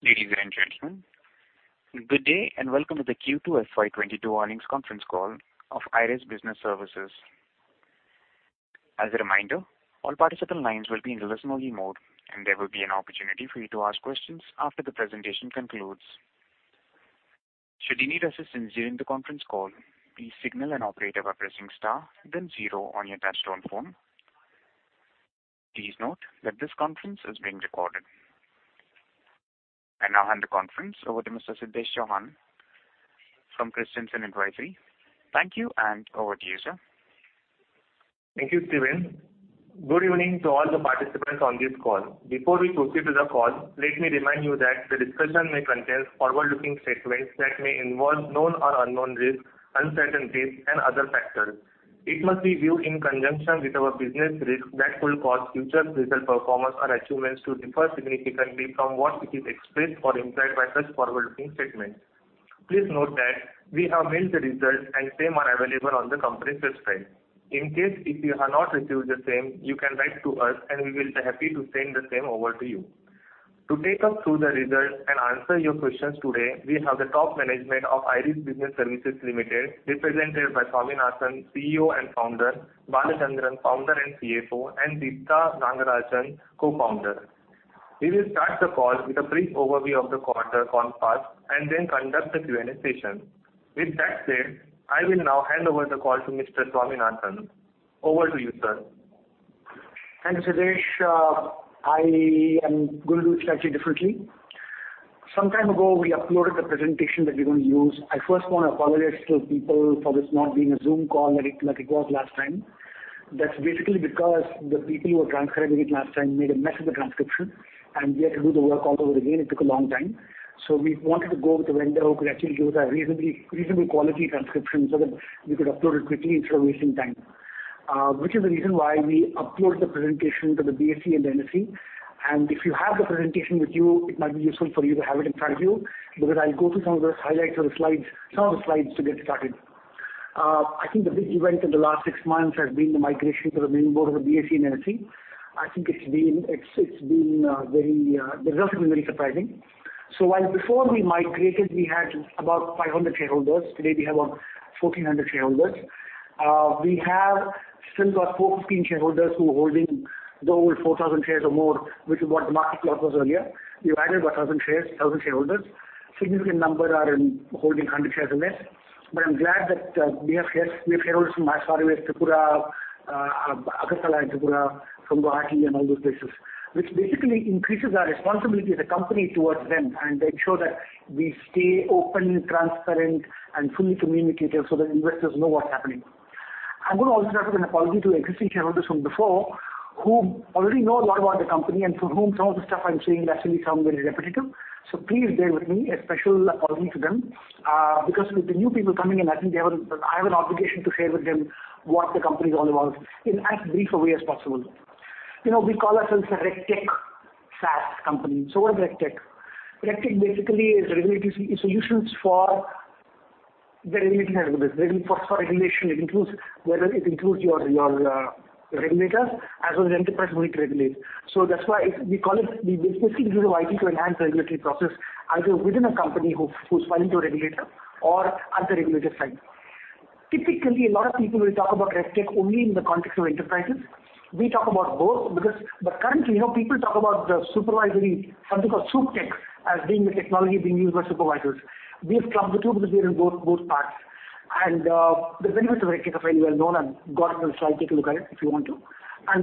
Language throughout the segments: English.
Ladies and gentlemen, good day, and welcome to the Q2 FY 2022 earnings conference call of IRIS Business Services. As a reminder, all participant lines will be in listen-only mode, and there will be an opportunity for you to ask questions after the presentation concludes. Should you need assistance during the conference call, please signal an operator by pressing star then zero on your touchtone phone. Please note that this conference is being recorded. I now hand the conference over to Mr. Siddharth Shah from Christensen Advisory. Thank you, and over to you, sir. Thank you, Steven. Good evening to all the participants on this call. Before we proceed to the call, let me remind you that the discussion may contain forward-looking statements that may involve known or unknown risks, uncertainties, and other factors. It must be viewed in conjunction with our business risks that could cause future result performance or achievements to differ significantly from what is expressed or implied by such forward-looking statements. Please note that we have mailed the results, and same are available on the company's website. In case if you have not received the same, you can write to us, and we will be happy to send the same over to you. To take us through the results and answer your questions today, we have the top management of IRIS Business Services Limited, represented by Swaminathan, CEO and Founder, Balachandran, Founder and CFO, and Deepta Rangarajan, Co-founder. We will start the call with a brief overview of the quarter gone past and then conduct the Q&A session. With that said, I will now hand over the call to Mr. Swaminathan. Over to you, sir. Thank you, Siddharth. I am gonna do it slightly differently. Some time ago, we uploaded the presentation that we're going to use. I first wanna apologize to people for this not being a Zoom call like it was last time. That's basically because the people who were transcribing it last time made a mess of the transcription, and we had to do the work all over again. It took a long time. We wanted to go with a vendor who could actually give us a reasonable quality transcription so that we could upload it quickly instead of wasting time. Which is the reason why we uploaded the presentation to the BSE and NSE. If you have the presentation with you, it might be useful for you to have it in front of you because I'll go through some of the highlights of the slides to get started. I think the big event in the last six months has been the migration to the main board of the BSE and NSE. I think it's been very surprising. The results have been very surprising. While before we migrated, we had about 500 shareholders. Today we have about 1,400 shareholders. We have still got 415 shareholders who are holding over 4,000 shares or more, which is what the market lot was earlier. We've added 1,000 shares, 1,000 shareholders. A significant number are holding 100 shares or less. I'm glad that we have shareholders from as far away as Tripura, Agartala in Tripura, from Guwahati and all those places, which basically increases our responsibility as a company towards them and make sure that we stay open, transparent and fully communicative so that investors know what's happening. I'm gonna also start with an apology to existing shareholders from before who already know a lot about the company and for whom some of the stuff I'm saying may actually sound very repetitive. Please bear with me, a special apology to them. Because with the new people coming in, I think I have an obligation to share with them what the company is all about0 in as brief a way as possible. You know, we call ourselves a RegTech SaaS company. What is RegTech? RegTech basically is regulatory solutions for the regulatory services. It includes your regulators as well as the enterprise who need to regulate. That's why we call it. We basically use IT to enhance the regulatory process, either within a company who's filing to a regulator or at the regulator side. Typically, a lot of people will talk about RegTech only in the context of enterprises. We talk about both. Currently, you know, people talk about the supervisory, something called SupTech as being the technology being used by supervisors. We have lumped the two because we are in both parts. The benefits of RegTech are very well known and it's on the slide. Take a look at it if you want to.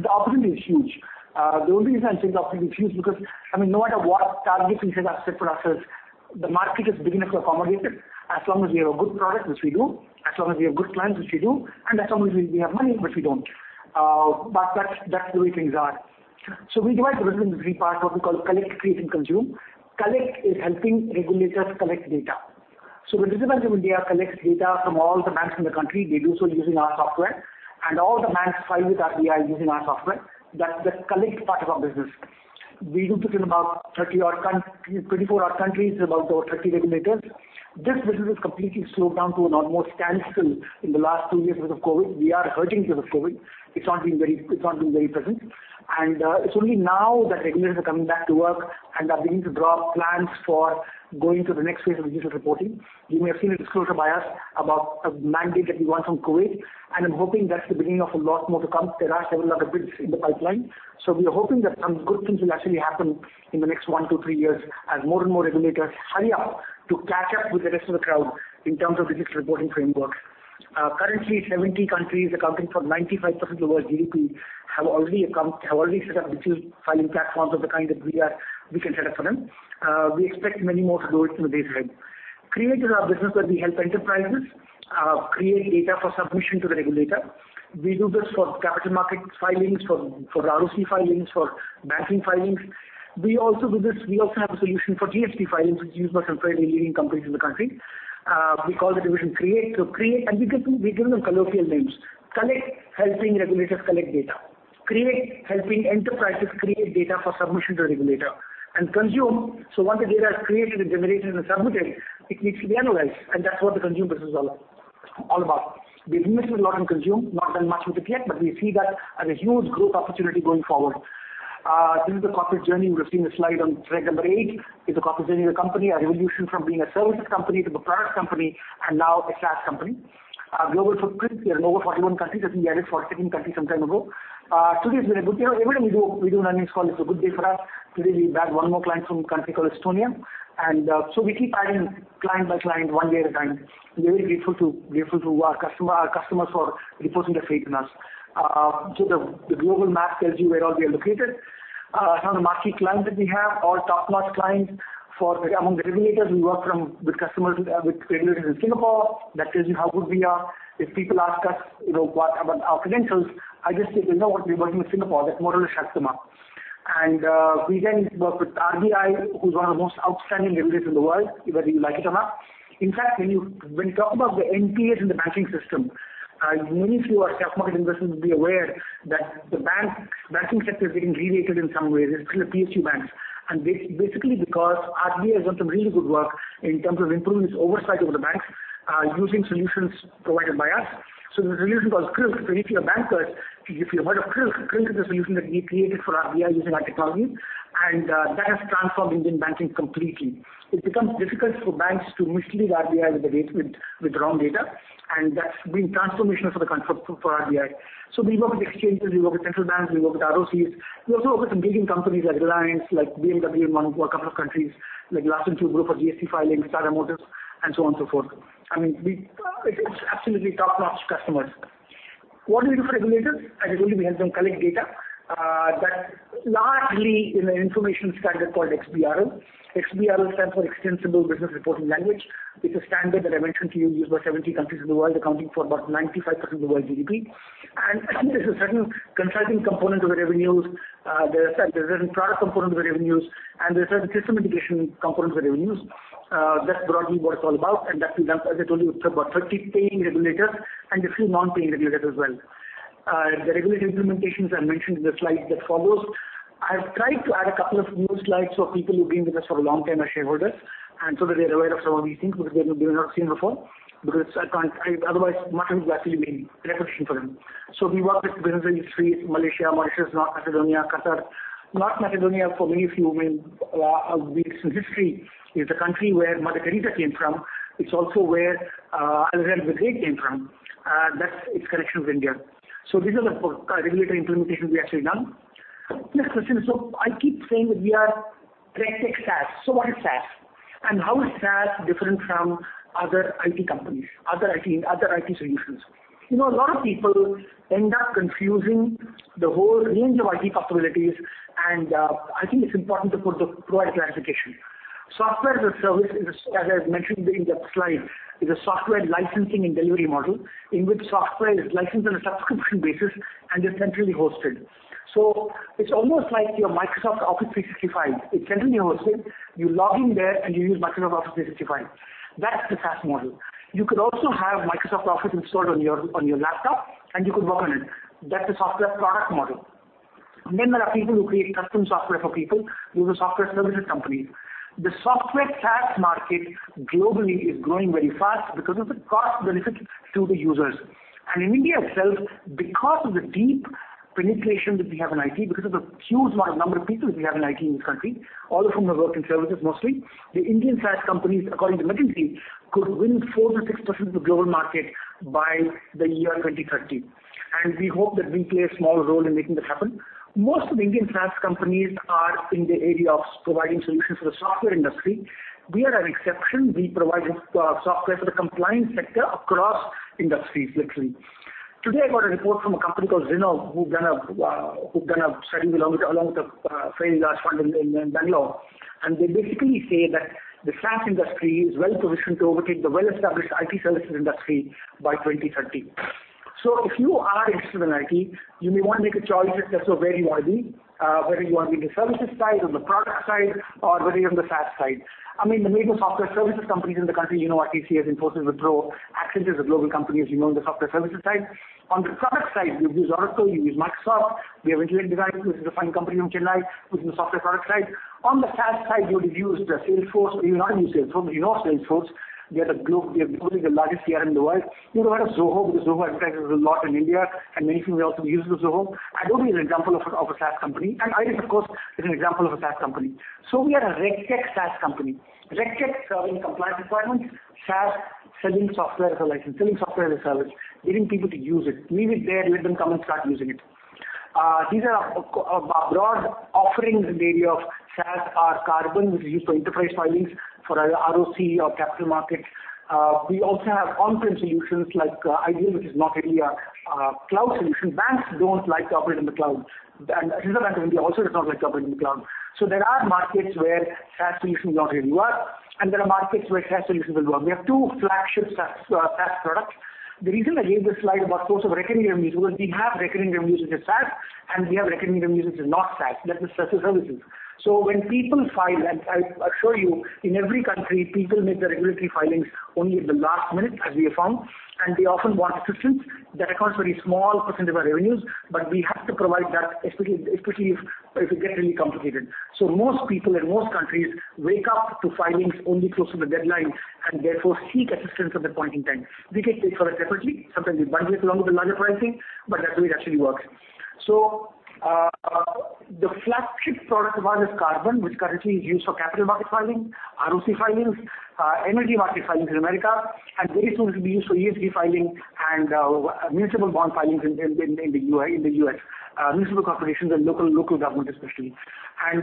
The opportunity is huge. The only reason I'm saying the opportunity is huge because, I mean, no matter what targets we set for ourselves, the market is big enough to accommodate it. As long as we have a good product, which we do, as long as we have good clients, which we do, and as long as we have money, which we don't. But that's the way things are. We divide the business into three parts, what we call Collect, Create, and Consume. Collect is helping regulators collect data. The Reserve Bank of India collects data from all the banks in the country. They do so using our software, and all the banks file with RBI using our software. That's the Collect part of our business. We do this in about 24 odd countries, about over 30 regulators. This business has completely slowed down to an almost standstill in the last two years because of COVID. We are hurting because of COVID. It's not been very present. It's only now that regulators are coming back to work and are beginning to draw up plans for going to the next phase of digital reporting. You may have seen a disclosure by us about a mandate that we won from Kuwait, and I'm hoping that's the beginning of a lot more to come. There are several other bids in the pipeline. We are hoping that some good things will actually happen in the next one to three years as more and more regulators hurry up to catch up with the rest of the crowd in terms of digital reporting framework. Currently 70 countries accounting for 95% of the world's GDP have already set up digital filing platforms of the kind that we can set up for them. We expect many more to do it in the days ahead. Create is our business where we help enterprises create data for submission to the regulator. We do this for capital markets filings, for ROC filings, for banking filings. We also have a solution for TSP filings, which is used by some of the leading companies in the country. We call the division Create. Create, and we give them colloquial names. Collect, helping regulators collect data. Create, helping enterprises create data for submission to the regulator. Consume, so once the data is created and generated and submitted, it needs to be analyzed, and that's what the Consume business is all about. We've invested a lot in Consume, not done much with it yet, but we see that as a huge growth opportunity going forward. This is the corporate journey. You would have seen the slide on thread number eight. It's a corporate journey of the company, our evolution from being a services company to a product company and now a SaaS company. Global footprint. We are in over 41 countries, as we added 14 countries some time ago. Today's been a good day. Every day we do an earnings call, it's a good day for us. Today, we've added one more client from a country called Estonia. We keep adding client-by-client, one day at a time. We're very grateful to our customers for reposing their faith in us. The global map tells you where all we are located. Some of the marquee clients that we have, all top-notch clients. Among the regulators, we work with regulators in Singapore. That tells you how good we are. If people ask us, you know, about our credentials, I just say, "You know what? We're working with Singapore. That's more than a customer." We then work with RBI, who's one of the most outstanding regulators in the world, whether you like it or not. In fact, when you talk about the NPAs in the banking system, many of you who are stock market investors will be aware that the banking sector is getting regulated in some ways. It's still the PSU banks. Basically because RBI has done some really good work in terms of improving its oversight over the banks, using solutions provided by us. The solution called CRILC. If you're a banker, if you've heard of CRILC is a solution that we created for RBI using our technology, and that has transformed Indian banking completely. It becomes difficult for banks to mislead RBI with wrong data, and that's been transformational for RBI. We work with exchanges, we work with central banks, we work with ROCs. We also work with some big Indian companies like Reliance, like BMW in a couple of countries, like Larsen & Toubro for GST filings, Tata Motors, and so on, so forth. I mean, it's absolutely top-notch customers. What do we do for regulators? As I told you, we help them collect data that largely in an information standard called XBRL. XBRL stands for eXtensible Business Reporting Language. It's a standard that I mentioned to you, used by 70 countries of the world, accounting for about 95% of the world GDP. There's a certain consulting component of the revenues. There's a certain product component of the revenues, and there's a certain system integration component of the revenues. That's broadly what it's all about. That's, as I told you, it's about 30 paying regulators and a few non-paying regulators as well. The regulatory implementations are mentioned in the slide that follows. I've tried to add a couple of new slides for people who've been with us for a long time as shareholders, and so that they are aware of some of these things which they may not have seen before. Because I can't. Otherwise, it might have actually been repetition for them. We work with Bahrain, Malaysia, Mauritius, North Macedonia, Qatar. North Macedonia, for many of you may be interested in history, is the country where Mother Teresa came from. It's also where Alexander the Great came from. That's its connection with India. These are the regulatory implementations we've actually done. Next question. I keep saying that we are RegTech SaaS. What is SaaS? And how is SaaS different from other IT companies, other IT solutions? You know, a lot of people end up confusing the whole range of IT possibilities, and I think it's important to provide clarification. Software as a service is, as I mentioned in the slide, is a software licensing and delivery model in which software is licensed on a subscription basis and is centrally hosted. So it's almost like your Microsoft Office 365. It's centrally hosted. You log in there and you use Microsoft Office 365. That's the SaaS model. You could also have Microsoft Office installed on your laptop, and you could work on it. That's a software product model. And then there are people who create custom software for people. Those are software services companies. The software Saas market globally is growing very fast because of the cost benefit to the users. In India itself, because of the deep penetration that we have in IT, because of the huge number of people we have in IT in this country, all of whom have worked in services mostly, the Indian SaaS companies, according to McKinsey, could win 4%-6% of the global market by the year 2030. We hope that we play a small role in making that happen. Most of the Indian SaaS companies are in the area of providing solutions for the software industry. We are an exception. We provide software for the compliance sector across industries, literally. Today, I got a report from a company called Zinnov, who've done a study along with Falcon Edge fund in Bangalore. They basically say that the SaaS industry is well-positioned to overtake the well-established IT services industry by 2030. So if you are interested in IT, you may want to make a choice as to where you want to be, whether you want to be in the services side or the product side or whether you're on the SaaS side. I mean, the major software services companies in the country, you know, TCS, Infosys, Wipro. Accenture is a global company, as you know, in the software services side. On the product side, you use Oracle, you use Microsoft. We have Intellect Design Arena, which is a fine company from Chennai, which is in the software product side. On the SaaS side, you would use Salesforce. You may not use Salesforce, but you know Salesforce. They are probably the largest CRM in the world. You may have heard of Zoho, because Zoho, I've heard, is used a lot in India, and many of you may also be users of Zoho. Adobe is an example of a SaaS company. IRIS, of course, is an example of a SaaS company. We are a RegTech SaaS company. RegTech solving compliance requirements. SaaS selling software as a license, selling software as a service, getting people to use it. Leave it there, let them come and start using it. These are broad offerings in the area of SaaS: IRIS CARBON, which is used for enterprise filings for ROC or capital markets. We also have on-prem solutions like iDEAL, which is not really a cloud solution. Banks don't like to operate in the cloud. Reserve Bank of India also does not like to operate in the cloud. There are markets where SaaS solutions are really well, and there are markets where SaaS solutions will go up. We have two flagship SaaS products. The reason I gave this slide about source of recurring revenues, because we have recurring revenues which is SaaS, and we have recurring revenues which is not SaaS. That's the services. When people file, and I assure you, in every country, people make the regulatory filings only at the last minute, as we have found. They often want assistance. That accounts for a small percentage of our revenues, but we have to provide that, especially if it gets really complicated. Most people in most countries wake up to filings only close to the deadline, and therefore seek assistance at that point in time. We get paid for that separately. Sometimes we bundle it along with the larger pricing, but that's the way it actually works. The flagship product of ours is CARBON, which currently is used for capital market filing, ROC filings, energy market filings in America, and very soon it will be used for ESG filing and municipal bond filings in the U.S. Municipal corporations and local government especially.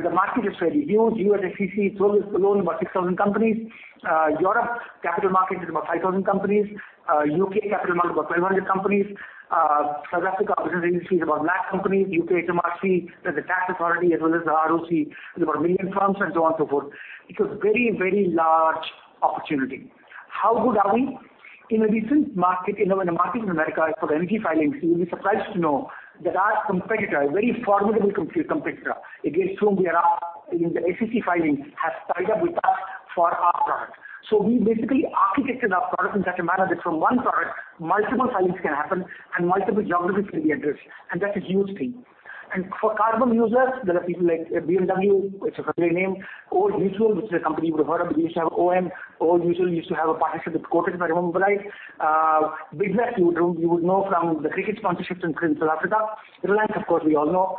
The market is very huge. U.S. SEC alone is about 6,000 companies. Europe capital market is about 5,000 companies. U.K. capital market about 1,200 companies. South Africa Business Registry is about nine companies. U.K. HMRC, there's a tax authority as well as the ROC. There's about 1 million firms and so on, so forth. It's a very, very large opportunity. How good are we? In a recent market. You know, in the market in America for the energy filings, you'll be surprised to know that our competitor, a very formidable competitor, against whom we are up in the SEC filings, has tied up with us for our product. We basically architected our product in such a manner that from one product, multiple filings can happen and multiple geographies can be addressed, and that's a huge thing. For Carbon users, there are people like BMW, a familiar name. Old Mutual, a company you would have heard of. We used to have OM. Old Mutual used to have a partnership with Quotas, if I remember right. Bidvest, you would know from the cricket sponsorships in South Africa. Reliance, of course, we all know.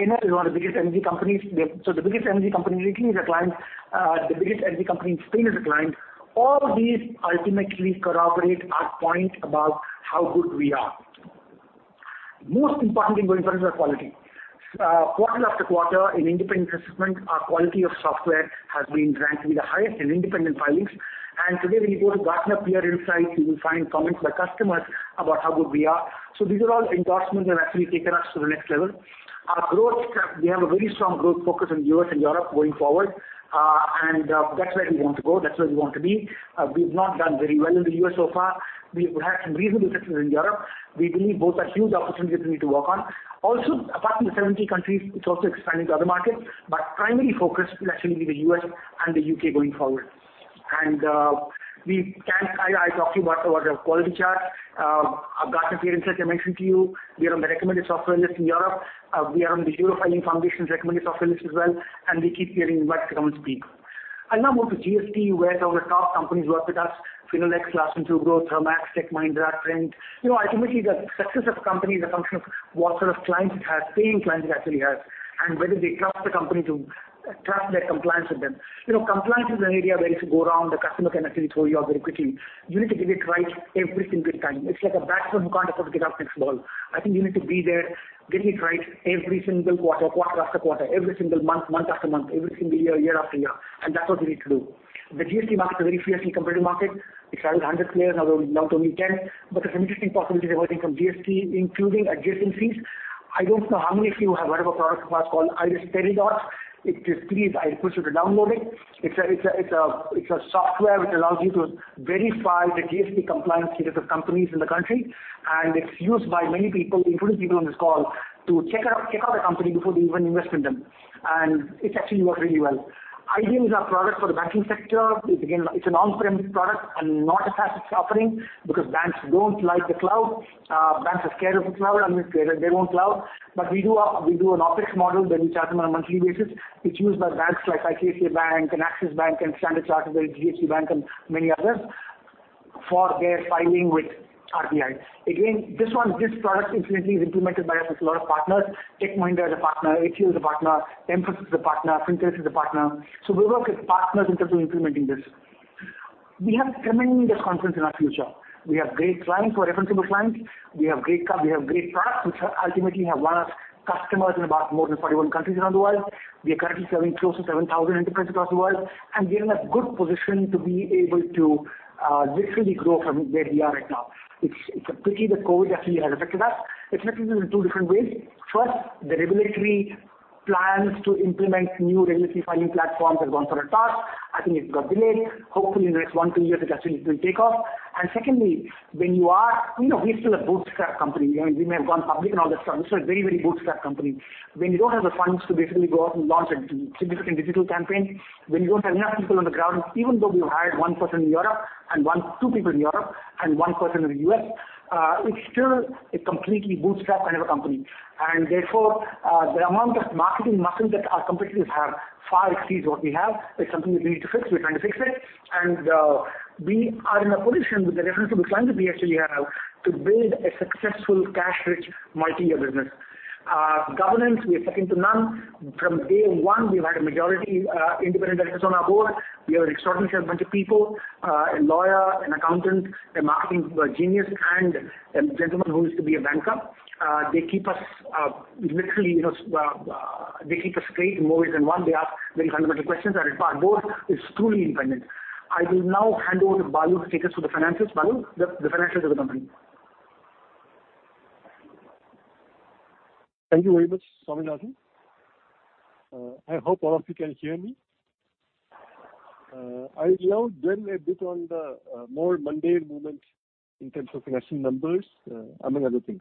Enel is one of the biggest energy companies. The biggest energy company in Italy is a client. The biggest energy company in Spain is a client. All these ultimately corroborate our point about how good we are. Most important thing going forward is our quality. Quarter after quarter in independent assessment, our quality of software has been ranked to be the highest in independent filings. Today, when you go to Gartner Peer Insights, you will find comments by customers about how good we are. These are all endorsements that have actually taken us to the next level. Our growth, we have a very strong growth focus in U.S. and Europe going forward. That's where we want to go. That's where we want to be. We've not done very well in the U.S. so far. We've had some reasonable success in Europe. We believe both are huge opportunities we need to work on. Also, apart from the 70 countries, it's also expanding to other markets, but primary focus will actually be the U.S. and the U.K. going forward. I talked to you about our quality chart. Our Gartner Peer Insights I mentioned to you. We are on the recommended software list in Europe. We are on the Eurofiling Foundation's recommended software list as well, and we keep getting invites to come and speak. I'll now move to GST, where some of the top companies work with us. Finolex, Larsen & Toubro, Thermax, Tech Mahindra, Trent. You know, ultimately, the success of a company is a function of what sort of clients it has, paying clients it actually has, and whether they trust the company to trust their compliance with them. You know, compliance is an area where if you go wrong, the customer can actually throw you out very quickly. You need to get it right every single time. It's like a batsman who can't afford to get out next ball. I think you need to be there, get it right every single quarter after quarter, every single month after month, every single year-after-year. That's what we need to do. The GST market is a very fiercely competitive market. It started with 100 players, now down to only 10. There's some interesting possibilities emerging from GST, including adjacent things. I don't know how many of you have heard of a product of ours called IRIS Peridot. If you please, I push you to download it. It's a software which allows you to verify the GST compliance status of companies in the country. It's used by many people, including people on this call, to check out a company before they even invest in them. It's actually worked really well. IRIS iDEAL is our product for the banking sector. Again, it's an on-prem product and not a SaaS offering because banks don't like the cloud. Banks are scared of the cloud. I mean, they won't cloud. But we do an OpEx model where we charge them on a monthly basis. It's used by banks like ICICI Bank and Axis Bank and Standard Chartered and DHFL Bank and many others for their filing with RBI. Again, this one, this product incidentally is implemented by us with a lot of partners. Tech Mahindra is a partner, HCLTech is a partner, Mphasis is a partner, Primus is a partner. We work with partners in terms of implementing this. We have tremendous confidence in our future. We have great clients who are referenceable clients. We have great products which ultimately have won us customers in about more than 41 countries around the world. We are currently serving close to 7,000 enterprises across the world, and we're in a good position to be able to literally grow from where we are right now. It's a pity that COVID actually has affected us. It's affected us in two different ways. First, the regulatory plans to implement new regulatory filing platforms has gone for a toss. I think it got delayed. Hopefully, in the next one, two years, it actually will take off. Secondly, when you are... You know, we're still a bootstrap company. You know, we may have gone public and all that stuff, but we're still a very, very bootstrap company. When you don't have the funds to basically go out and launch a significant digital campaign, when you don't have enough people on the ground, even though we've hired two people in Europe and one person in the U.S., it's still a completely bootstrap kind of a company. Therefore, the amount of marketing muscle that our competitors have far exceeds what we have. It's something that we need to fix. We're trying to fix it. We are in a position with the referenceable clients that we actually have to build a successful cash-rich multi-year business. Governance, we are second to none. From day one, we've had a majority independent directors on our board. We have an extraordinary bunch of people, a lawyer, an accountant, a marketing genius, and a gentleman who used to be a banker. They keep us literally, you know, straight in more ways than one. They ask very fundamental questions, and our board is truly independent. I will now hand over to Balu to take us through the finances. Balu, the finances of the company. Thank you very much, Swaminathan. I hope all of you can hear me. I'll now dwell a bit on the more mundane movements in terms of financial numbers, among other things.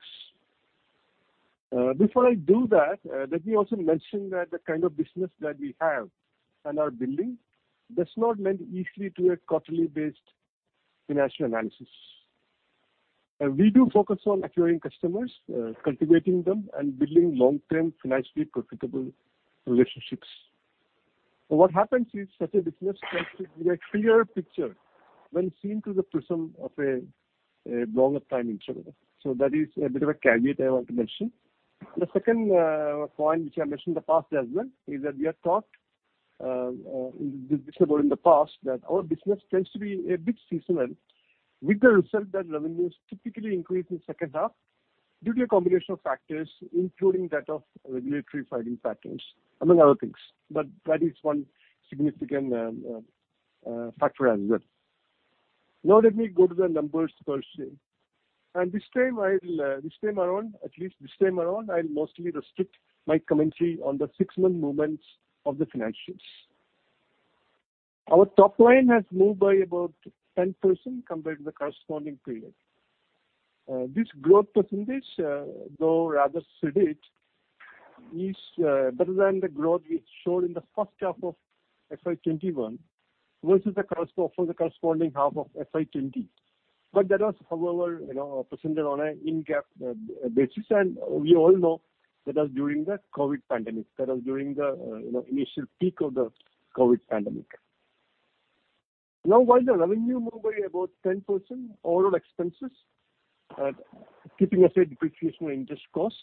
Before I do that, let me also mention that the kind of business that we have and are building does not lend easily to a quarterly-based financial analysis. We do focus on acquiring customers, cultivating them, and building long-term financially profitable relationships. What happens is such a business tends to be a clearer picture when seen through the prism of a longer time interval. That is a bit of a caveat I want to mention. The second point which I mentioned in the past as well is that we have talked about this in the past, that our business tends to be a bit seasonal, with the result that revenues typically increase in second half due to a combination of factors, including that of regulatory filing patterns, among other things. That is one significant factor as well. Now let me go to the numbers per se, and this time around I'll mostly restrict my commentary to the six-month movements of the financials. Our top line has moved by about 10% compared to the corresponding period. This growth percentage, though rather sedate, is better than the growth we showed in the first half of FY 2021 versus the corresponding half of FY 2020. That was, however, you know, presented on an interim basis, and we all know that was during the COVID pandemic. That was during the you know initial peak of the COVID pandemic. Now while the revenue moved by about 10%, overall expenses, keeping aside depreciation or interest costs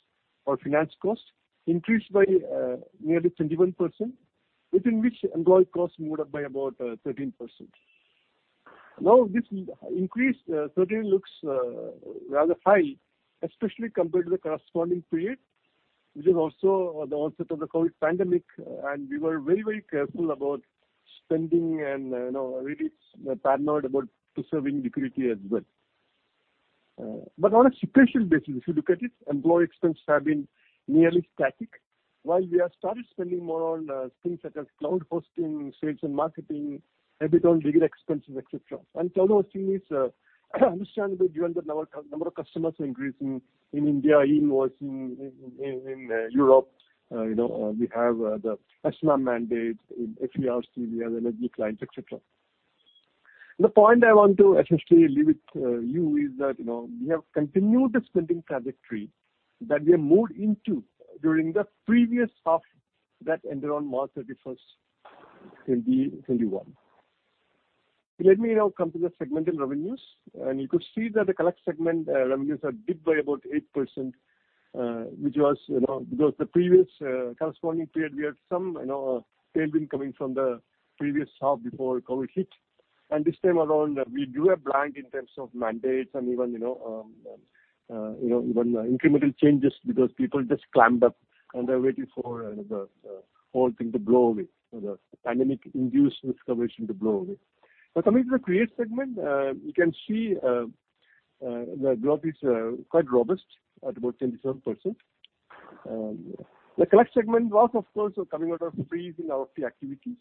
or finance costs, increased by nearly 21%, within which employee costs moved up by about 13%. Now this increased 13 looks rather high, especially compared to the corresponding period, which is also the onset of the COVID pandemic, and we were very, very careful about spending and you know really paranoid about preserving liquidity as well. On a sequential basis, if you look at it, employee expenses have been nearly static. While we have started spending more on things such as cloud hosting, sales and marketing, headcount and R&D expenses, et cetera. Some of those things understandably given that our number of customers are increasing in India and in Europe, you know, we have the ESMA mandate in FERC, we have energy clients, et cetera. The point I want to essentially leave with you is that, you know, we have continued the spending trajectory that we moved into during the previous half that ended on March 31, 2021. Let me now come to the segmented revenues. You could see that the Collect segment revenues are dipped by about 8%, which was, you know, because the previous corresponding period, we had some, you know, tailwind coming from the previous half before COVID hit. This time around, we drew a blank in terms of mandates and even, you know, even incremental changes because people just clammed up and they're waiting for, you know, the whole thing to blow away. You know, the pandemic induced risk aversion to blow away. Now coming to the Create segment. You can see, the growth is quite robust at about 27%. The Collect segment was of course coming out of the freeze in our fee activities,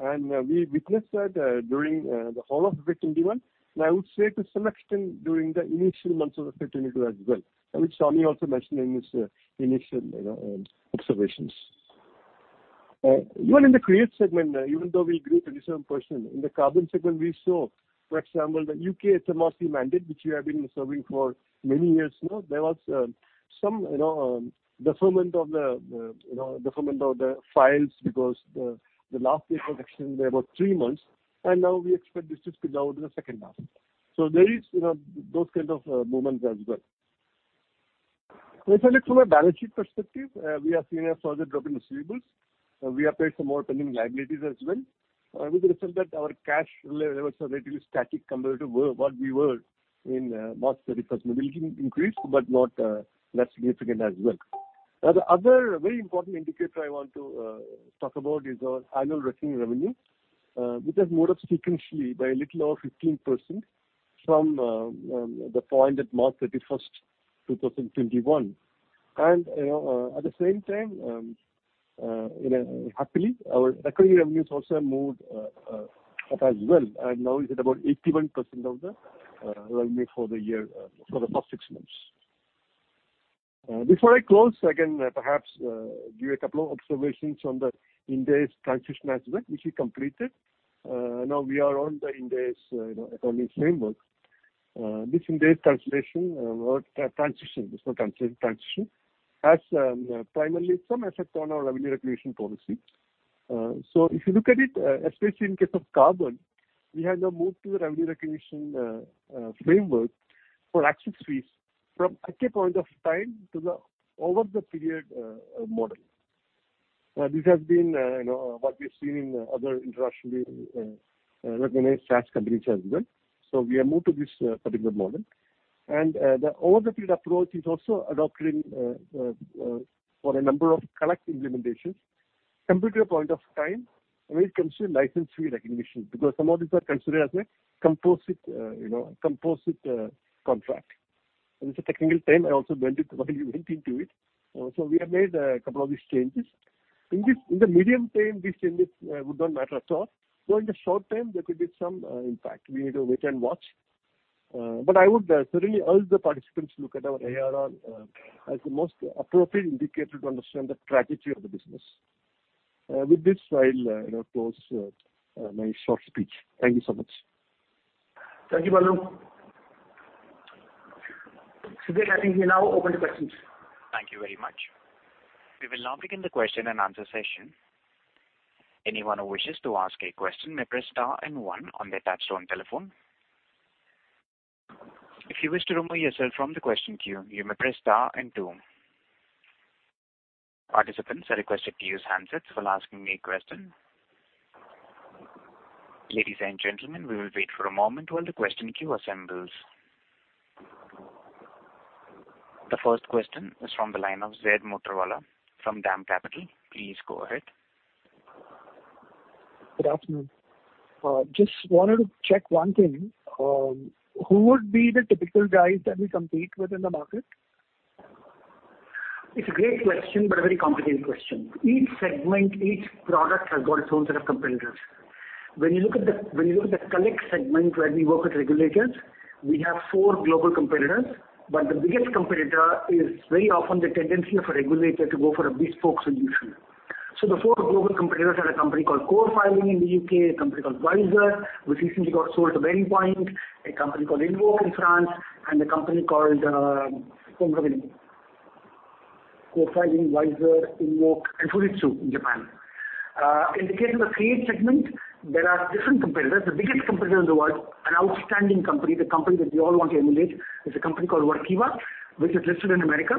and, we witnessed that, during, the whole of 2021. I would say to some extent during the initial months of 2022 as well, and which Sunny also mentioned in his, initial, you know, observations. Even in the Create segment, even though we grew 27%, in the carbon segment we saw, for example, the U.K. HMRC mandate, which we have been serving for many years now. There was some, you know, deferment of the files because the last day of action, there were three months, and now we expect this to speed up in the second half. There is, you know, those kinds of movements as well. If I look from a balance sheet perspective, we have seen a further drop in receivables. We have paid some more pending liabilities as well, with the result that our cash levels are relatively static compared to what we were in March 31. Liabilities increased, but not that significant as well. Now the other very important indicator I want to talk about is our annual recurring revenue. Which has moved up sequentially by a little over 15% from the point at March 31, 2021. You know, at the same time, you know, happily, our recurring revenues also moved up as well, and now is at about 81% of the revenue for the year, for the past six months. Before I close, I can perhaps give a couple of observations on the Ind AS transition as well, which we completed. Now we are on the Ind AS, you know, accounting framework. This Ind AS transition has primarily some effect on our revenue recognition policy. If you look at it, especially in case of Carbon, we have now moved to the revenue recognition framework for access fees from at a point of time to the over the period model. This has been, you know, what we've seen in other internationally recognized SaaS companies as well. We have moved to this particular model. The over the period approach is also adopted in a number of global implementations compared to a point of time where it considers license fee recognition because some of these are considered as a composite, you know, contract. This is a technical term. I also went into it. We have made a couple of these changes. In the medium term, these changes would not matter at all. In the short term, there could be some impact. We need to wait and watch. I would certainly urge the participants to look at our ARR as the most appropriate indicator to understand the trajectory of the business. With this, I'll, you know, close my short speech. Thank you so much. Thank you, Balu. Sudhir, I think we now open to questions. Thank you very much. We will now begin the question and answer session. Anyone who wishes to ask a question may press star and one on their touchtone telephone. If you wish to remove yourself from the question queue, you may press star and two. Participants are requested to use handsets while asking a question. Ladies and gentlemen, we will wait for a moment while the question queue assembles. The first question is from the line of Zaid Motivala from DAM Capital. Please go ahead. Good afternoon. Just wanted to check one thing. Who would be the typical guys that we compete with in the market? It's a great question, but a very complicated question. Each segment, each product has got its own set of competitors. When you look at the Collect segment where we work with regulators, we have four global competitors, but the biggest competitor is very often the tendency of a regulator to go for a bespoke solution. The four global competitors are a company called CoreFiling in the U.K., a company called Wisr, which recently got sold to Vendpoint, a company called Invoke in France, and a company called CoreFiling, Wisr, Invoke, and Fujitsu in Japan. In the case of the Create segment, there are different competitors. The biggest competitor in the world, an outstanding company, the company that we all want to emulate is a company called Workiva, which is listed in America.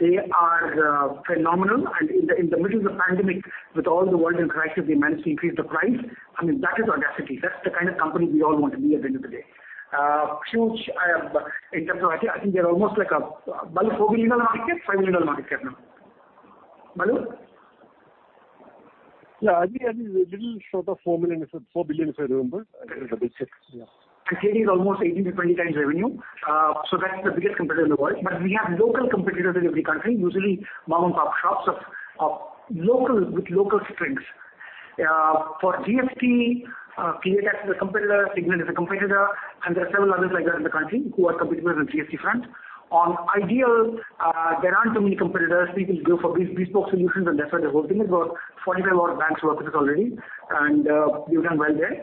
They are phenomenal, and in the middle of the pandemic, with all the world in crisis, they managed to increase the price. I mean, that is audacity. That's the kind of company we all want to be at the end of the day. Huge in terms of. I think Balu, $4 billion market, $5 million market now? Balu? Yeah, I think a little short of 4 billion, if I remember. Let me double-check. Yeah. It's almost 18-20x revenue. That's the biggest competitor in the world. We have local competitors in every country, usually mom-and-pop shops of local with local strengths. For GST, ClearTax is a competitor, Cygnet is a competitor, and there are several others like that in the country who are competitors on the GST front. On iDEAL, there aren't too many competitors. People go for bespoke solutions, and that's why 45 large banks work with us already. We've done well there.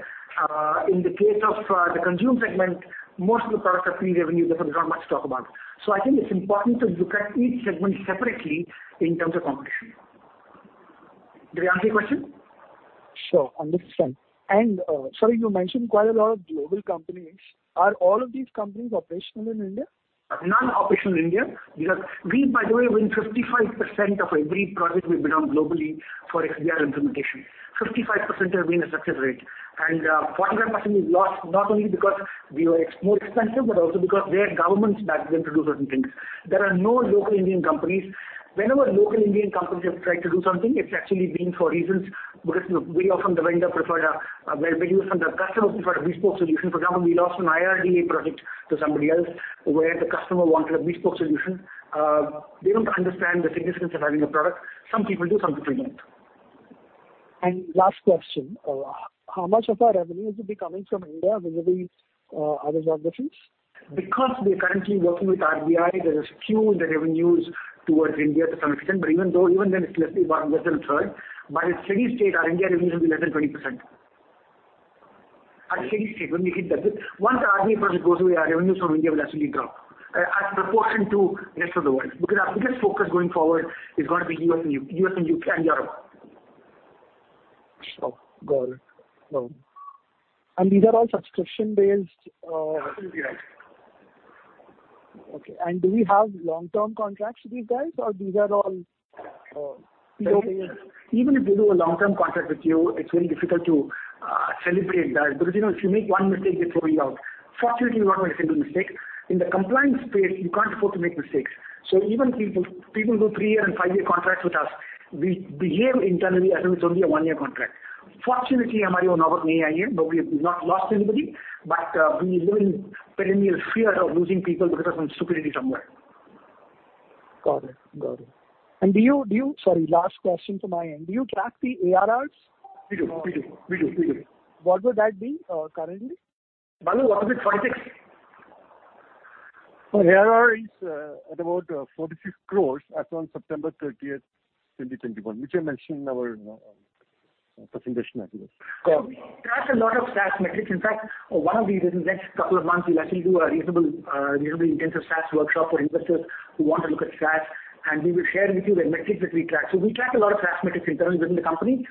In the case of the Consumer segment, most of the products are freemium, therefore there's not much to talk about. I think it's important to look at each segment separately in terms of competition. Did I answer your question? Sure. I understand. Sorry, you mentioned quite a lot of global companies. Are all of these companies operational in India? None operational in India. Because we, by the way, win 55% of every project we bid on globally for XBRL implementation. 55% has been the success rate. 45% we've lost, not only because we are more expensive, but also because their governments back them to do certain things. There are no local Indian companies. Whenever local Indian companies have tried to do something, it's actually been for reasons because, you know, very often the customer preferred a bespoke solution. For example, we lost an IRDA project to somebody else where the customer wanted a bespoke solution. They don't understand the significance of having a product. Some people do, some people don't. Last question. How much of the revenue will be coming from India vis-à-vis other geographies? Because we are currently working with RBI, there is a skew in the revenues towards India to some extent, but even then it's less than 1/3. By steady state, our India revenue will be less than 20%. At steady state, when we hit that, once the RBI project goes away, our revenues from India will actually drop as a proportion to rest of the world, because our biggest focus going forward is gonna be U.S. and U.S. and U.K. and Europe. Sure. Got it. These are all subscription-based. Absolutely, right. Okay. Do you have long-term contracts with these guys, or these are all yearly? Even if they do a long-term contract with you, it's very difficult to celebrate that because, you know, if you make one mistake, they throw you out. Fortunately, we've not made a single mistake. In the compliance space, you can't afford to make mistakes. Even people do three-year and five-year contracts with us, we behave internally as if it's only a one-year contract. Fortunately, our year-on-year churn is low. We've not lost anybody, but we live in perennial fear of losing people because of some stupidity somewhere. Got it. Got it. Sorry, last question from my end. Do you track the ARRs? We do. What would that be, currently? Balu, what was it? 46? Our ARR is at about 46 crore as on September 30, 2021, which I mentioned in our presentation earlier. Got it. We track a lot of SaaS metrics. In fact, one of these in the next couple of months, we'll actually do a reasonable, reasonably intensive SaaS workshop for investors who want to look at SaaS, and we will share with you the metrics that we track. We track a lot of SaaS metrics internally within the company.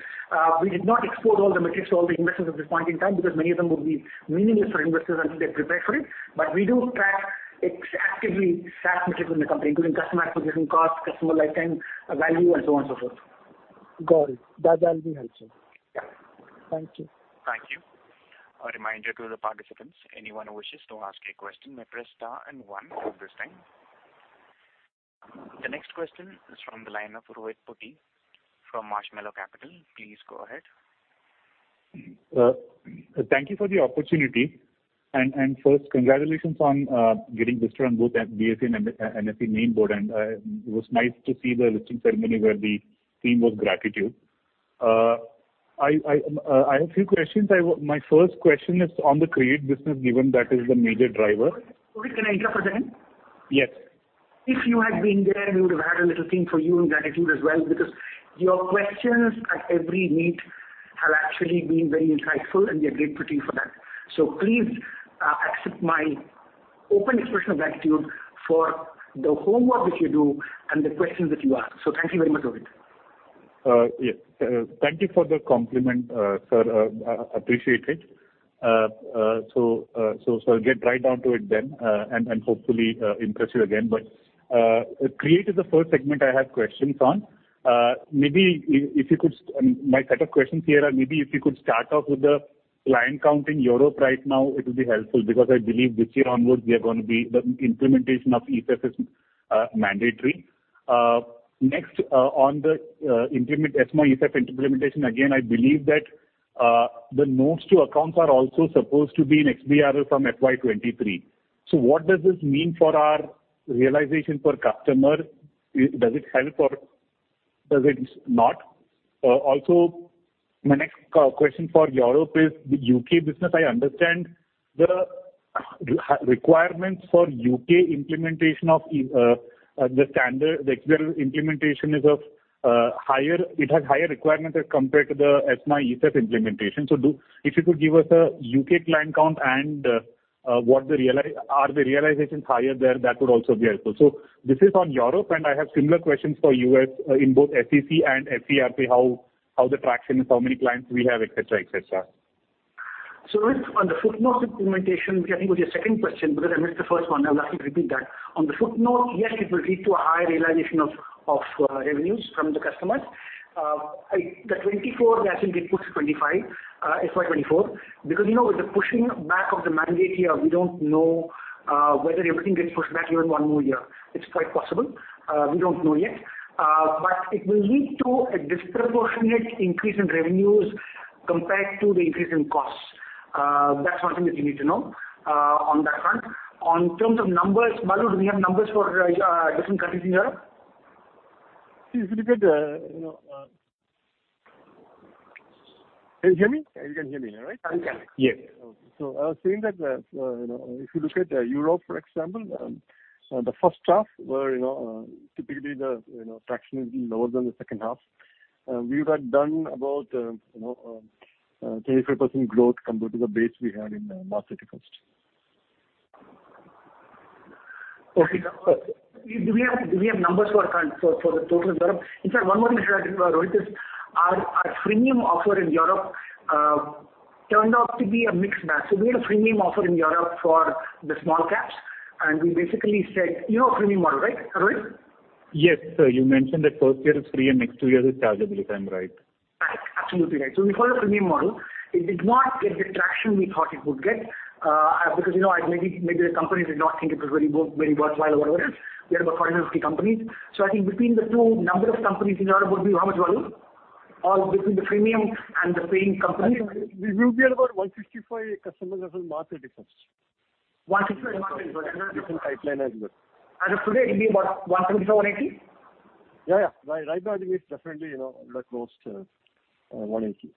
We did not expose all the metrics to all the investors at this point in time because many of them would be meaningless for investors until they're prepared for it. We do track exactly SaaS metrics in the company, including customer acquisition cost, customer lifetime value, and so on and so forth. Got it. That will be helpful. Yeah. Thank you. Thank you. A reminder to the participants, anyone who wishes to ask a question may press star and one at this time. The next question is from the line of Rohith Potti from Marshmallow Capital. Please go ahead. Thank you for the opportunity. First, congratulations on getting listed on both BSE and NSE Main Board. It was nice to see the listing ceremony where the theme was gratitude. I have few questions. My first question is on the Create business, given that is the major driver. Rohith, can I interrupt for a second? Yes. If you had been there, we would have had a little thing for you in gratitude as well, because your questions at every meet have actually been very insightful, and we are grateful to you for that. Please, accept my open expression of gratitude for the homework that you do and the questions that you ask. Thank you very much, Rohith. Yes. Thank you for the compliment, sir. I appreciate it. So I'll get right down to it then, and hopefully impress you again. Regarding the first segment I have questions on. Maybe my set of questions here are if you could start off with the client count in Europe right now, it will be helpful, because I believe this year onwards, the implementation of ESEF is mandatory. Next, on the ESMA ESEF implementation, again, I believe that the notes to accounts are also supposed to be in XBRL from FY2023. What does this mean for our realization per customer? Does it help or does it not? Also, my next question for Europe is the UK business. I understand the requirements for U.K. implementation of the standard. The XBRL implementation has higher requirements as compared to the ESMA ESEF implementation. If you could give us a UK client count and what the realize. Are the realizations higher there? That would also be helpful. This is on Europe, and I have similar questions for U.S. in both SEC and FERC, how the traction is, how many clients we have, et cetera, et cetera. On the footnote implementation, which I think was your second question, because I missed the first one. I'll have to repeat that. On the footnote, yes, it will lead to a high realization of revenues from the customers. The 2024, I think it puts 2025, FY2024, because, you know, with the pushing back of the mandate here, we don't know whether everything gets pushed back even one more year. It's quite possible. We don't know yet. But it will lead to a disproportionate increase in revenues compared to the increase in costs. That's one thing that you need to know on that front. In terms of numbers, Balu, do we have numbers for different countries in Europe? Can you hear me? You can hear me now, right? I can. Yes. I was saying that, you know, if you look at Europe, for example, the first half were, you know, typically the traction is lower than the second half. We had done about, you know, 35% growth compared to the base we had in March 31. Okay. Do we have numbers for the total in Europe? In fact, one more thing I'd like to add, Rohith, is our freemium offer in Europe turned out to be a mixed bag. We had a freemium offer in Europe for the small caps, and we basically said. You know our freemium model, right, Rohith? Yes, sir. You mentioned that first year is free and next two years is chargeable, if I'm right? Right. Absolutely right. We call it a freemium model. It did not get the traction we thought it would get, because, you know, maybe the company did not think it was very worth, very worthwhile or whatever it is. We had about 450 companies. I think between the two number of companies in order would be how much value? Or between the freemium and the paying companies. We will be at about 155 customers as on March 31. 155 as on March 31st. Different pipeline as well. As of today, it'll be about 174-180? Yeah, yeah. Right, right. I believe it's definitely, you know, close to 180.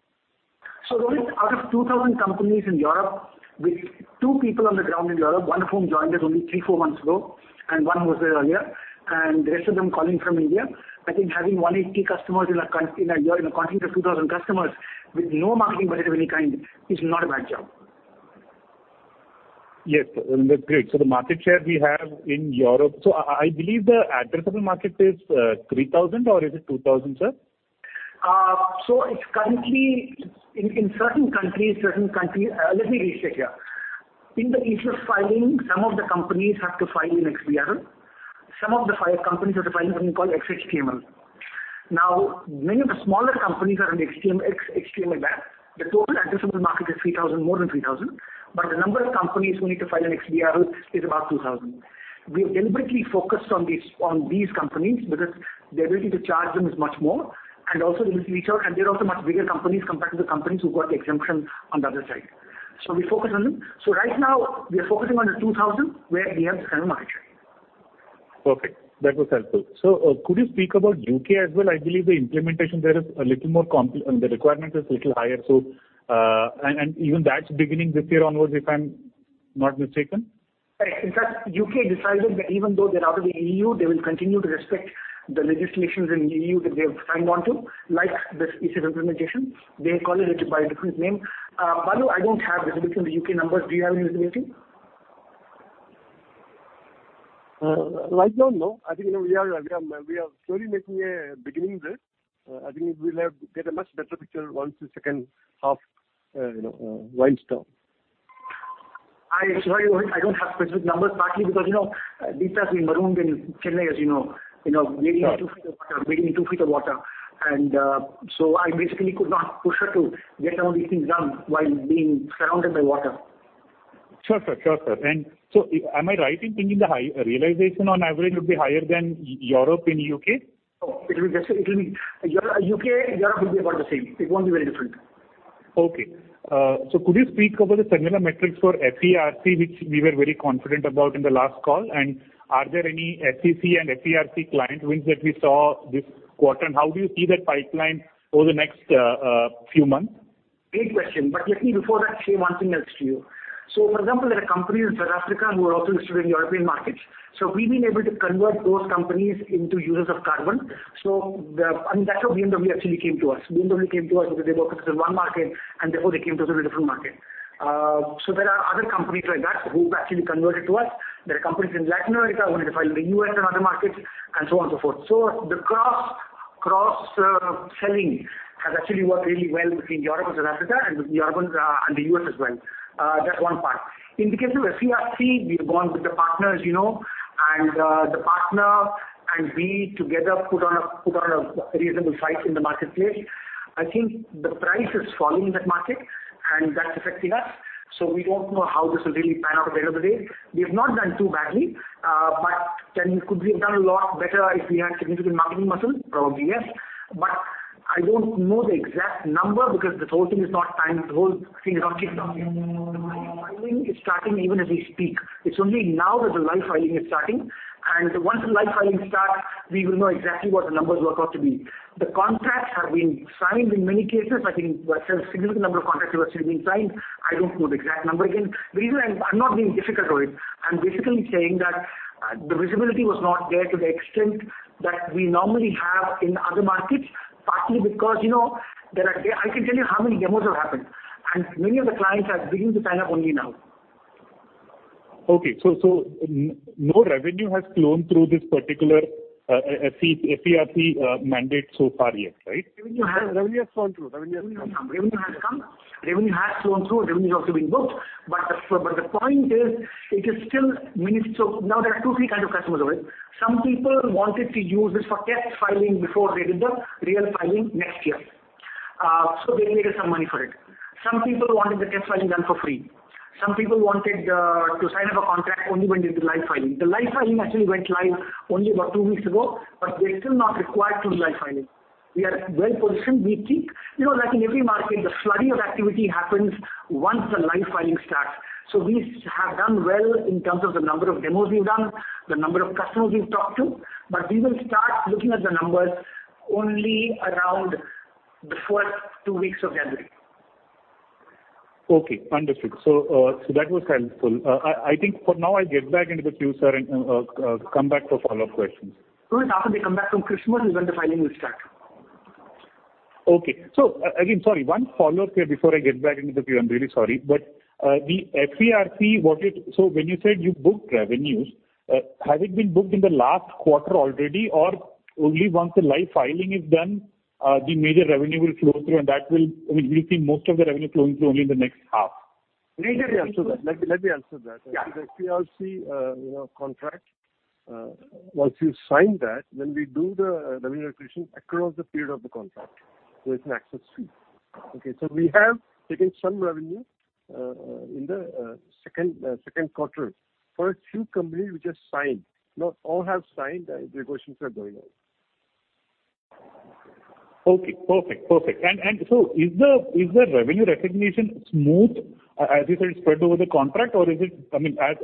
Rohith, out of 2,000 companies in Europe, with two people on the ground in Europe, one of whom joined us only 3-4 months ago, and one was there earlier, and the rest of them calling from India, I think having 180 customers in a year, in a country of 2,000 customers with no marketing budget of any kind is not a bad job. Yes. That's great. The market share we have in Europe. I believe the addressable market is 3,000 or is it 2,000, sir? Let me restate here. In the ESEF filing, some of the companies have to file in XBRL. Some of the companies have to file in something called XHTML. Now, many of the smaller companies are in XHTML. The total addressable market is 3,000, more than 3,000. But the number of companies who need to file in XBRL is about 2,000. We deliberately focused on these companies because the ability to charge them is much more, and also we reach out, and they're also much bigger companies compared to the companies who got the exemption on the other side. We focus on them. Right now we are focusing on the 2,000 where we have the kind of margin. Perfect. That was helpful. Could you speak about U.K. as well? I believe the implementation there is a little more, the requirement is a little higher. Even that's beginning this year onwards, if I'm not mistaken. Right. In fact, U.K. decided that even though they're out of the EU, they will continue to respect the legislations in EU that they have signed on to, like this ESEF implementation. They call it by a different name. Balu, I don't have the UK numbers. Do you have them with you? Right now, no. I think, you know, we are slowly making a beginning there. I think we'll have to get a much better picture once the second half, you know, winds down. I'm sorry, Rohith, I don't have specific numbers, partly because, you know, this time we were marooned in Chennai, as you know, knee in 2 ft of water. I basically could not push her to get some of these things done while being surrounded by water. Sure, sir. Am I right in thinking the high realization on average would be higher than Europe in U.K.? It will be U.K., Europe about the same. It won't be very different. Okay, could you speak about the similar metrics for FERC, which we were very confident about in the last call? Are there any SEC and FERC client wins that we saw this quarter? How do you see that pipeline over the next few months? Great question. Let me before that say one thing else to you. For example, there are companies in South Africa who are also listed in the European markets, so we've been able to convert those companies into users of Carbon. That's how BMW actually came to us. BMW came to us because they work with one market, and therefore, they came to us in a different market. There are other companies like that who've actually converted to us. There are companies in Latin America who want to file in the U.S. and other markets, and so on, so forth. The cross-selling has actually worked really well between Europe and South Africa and between Europe and the U.S. as well. That's one part. In the case of FERC, we've gone with the partners, you know, and the partner and we together put on a reasonable fight in the marketplace. I think the price is falling in that market, and that's affecting us, so we don't know how this will really pan out at the end of the day. We have not done too badly, but could we have done a lot better if we had significant marketing muscle? Probably, yes. But I don't know the exact number because this whole thing is not timed. The whole thing has not kicked off yet. The live filing is starting even as we speak. It's only now that the live filing is starting, and once the live filing starts, we will know exactly what the numbers work out to be. The contracts have been signed in many cases. I think a significant number of contracts have actually been signed. I don't know the exact number. Again, the reason I'm not being difficult with. I'm basically saying that the visibility was not there to the extent that we normally have in the other markets, partly because, you know, I can tell you how many demos have happened, and many of the clients are beginning to sign up only now. No revenue has flown through this particular FERC mandate so far yet, right? Revenue has- Revenue has flowed through. Revenue has come. Revenue has flown through. Revenue has also been booked. The point is, it is still minuscule. Now, there are two, three kinds of customers of it. Some people wanted to use this for test filing before they did the real filing next year, so they paid us some money for it. Some people wanted the test filing done for free. Some people wanted to sign up a contract only when they did the live filing. The live filing actually went live only about two weeks ago, but they're still not required to do live filing. We are well-positioned, we think. You know, like in every market, the flurry of activity happens once the live filing starts. We have done well in terms of the number of demos we've done, the number of customers we've talked to, but we will start looking at the numbers only around the first two weeks of January. Okay, understood. That was helpful. I think for now, I'll get back into the queue, sir, and come back for follow-up questions. It's after they come back from Christmas is when the filing will start. Okay. Again, sorry, one follow-up here before I get back into the queue. I'm really sorry. The FERC, when you said you booked revenues, has it been booked in the last quarter already, or only once the live filing is done, the major revenue will flow through, and I mean, we'll see most of the revenue flowing through only in the next half? Let me answer that. Yeah. The FERC contract, once you sign that, we do the revenue recognition across the period of the contract. It's an access fee. Okay. We have taken some revenue in the second quarter for a few companies we just signed. Not all have signed. Negotiations are going on. Okay. Perfect. Perfect. Is the revenue recognition smooth, as you said, spread over the contract, or is it, I mean, as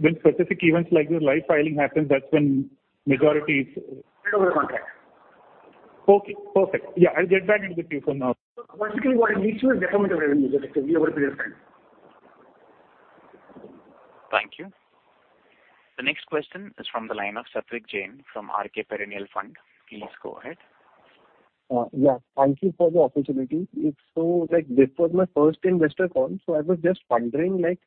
when specific events like the live filing happens, that's when majority is- Spread over the contract. Okay, perfect. Yeah, I'll get back into the queue for now. Basically what it means to you is deferral of revenue that we are able to understand. Thank you. The next question is from the line of Satwik Jainfrom RH Perennial Fund. Please go ahead. Yeah. Thank you for the opportunity. Like, this was my first investor call, so I was just wondering, like,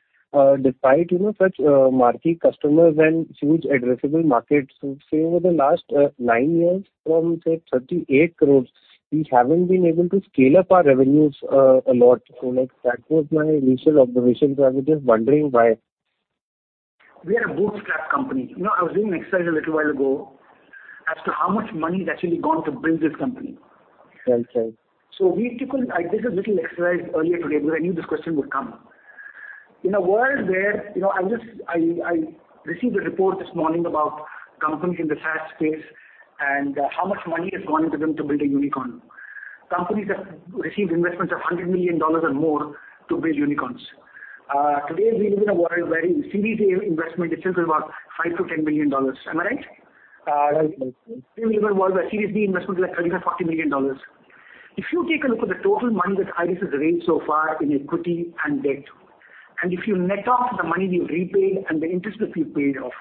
despite, you know, such marquee customers and huge addressable markets, say over the last nine years from, say, 38 crores, we haven't been able to scale up our revenues a lot. Like, that was my initial observation, so I was just wondering why. We are a bootstrapped company. You know, I was doing an exercise a little while ago as to how much money it actually cost to build this company. Right. Right. I did a little exercise earlier today because I knew this question would come. In a world where, you know, I just received a report this morning about companies in the SaaS space and how much money has gone into them to build a unicorn. Companies have received investments of $100 million or more to build unicorns. Today we live in a world where your Series A investment is still about $5 million-$10 million. Am I right? Right. We live in a world where Series B investment is like $30 million-$40 million. If you take a look at the total money that IRIS has raised so far in equity and debt, and if you net off the money we've repaid and the interest that we've paid off,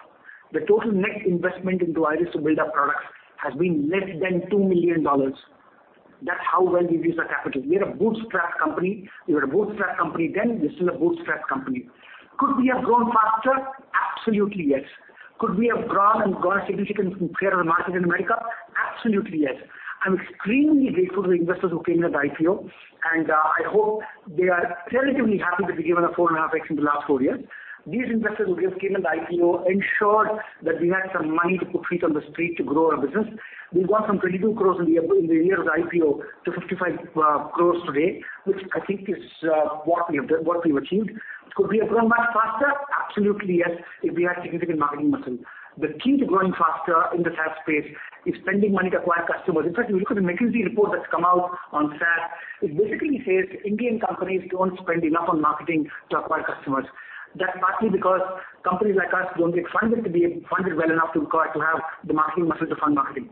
the total net investment into IRIS to build our products has been less than $2 million. That's how well we've used our capital. We're a bootstrapped company. We were a bootstrapped company then, we're still a bootstrapped company. Could we have grown faster? Absolutely, yes. Could we have grown and got a significant share of the market in America? Absolutely, yes. I'm extremely grateful to the investors who came in the IPO, and, I hope they are relatively happy to be given a 4.5x in the last four years. These investors who just came in the IPO ensured that we had some money to put feet on the street to grow our business. We've gone from 22 crore in the year of the IPO to 55 crore today, which I think is what we have done, what we have achieved. Could we have grown much faster? Absolutely, yes, if we had significant marketing muscle. The key to growing faster in the SaaS space is spending money to acquire customers. In fact, if you look at the McKinsey report that's come out on SaaS, it basically says Indian companies don't spend enough on marketing to acquire customers. That's partly because companies like us don't get funded to be funded well enough to acquire, to have the marketing muscle to fund marketing.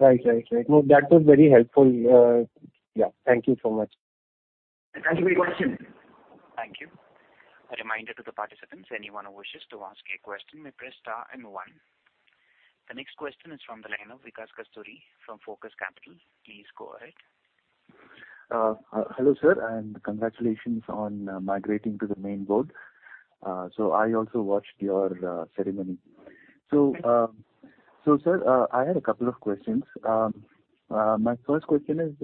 Right. No, that was very helpful. Yeah. Thank you so much. Thank you for your question. Thank you. A reminder to the participants, anyone who wishes to ask a question may press star and one. The next question is from the line of Vikas Kasturi from Focus Capital. Please go ahead. Hello, sir, and congratulations on migrating to the main board. I also watched your ceremony. Thank you. Sir, I had a couple of questions. My first question is,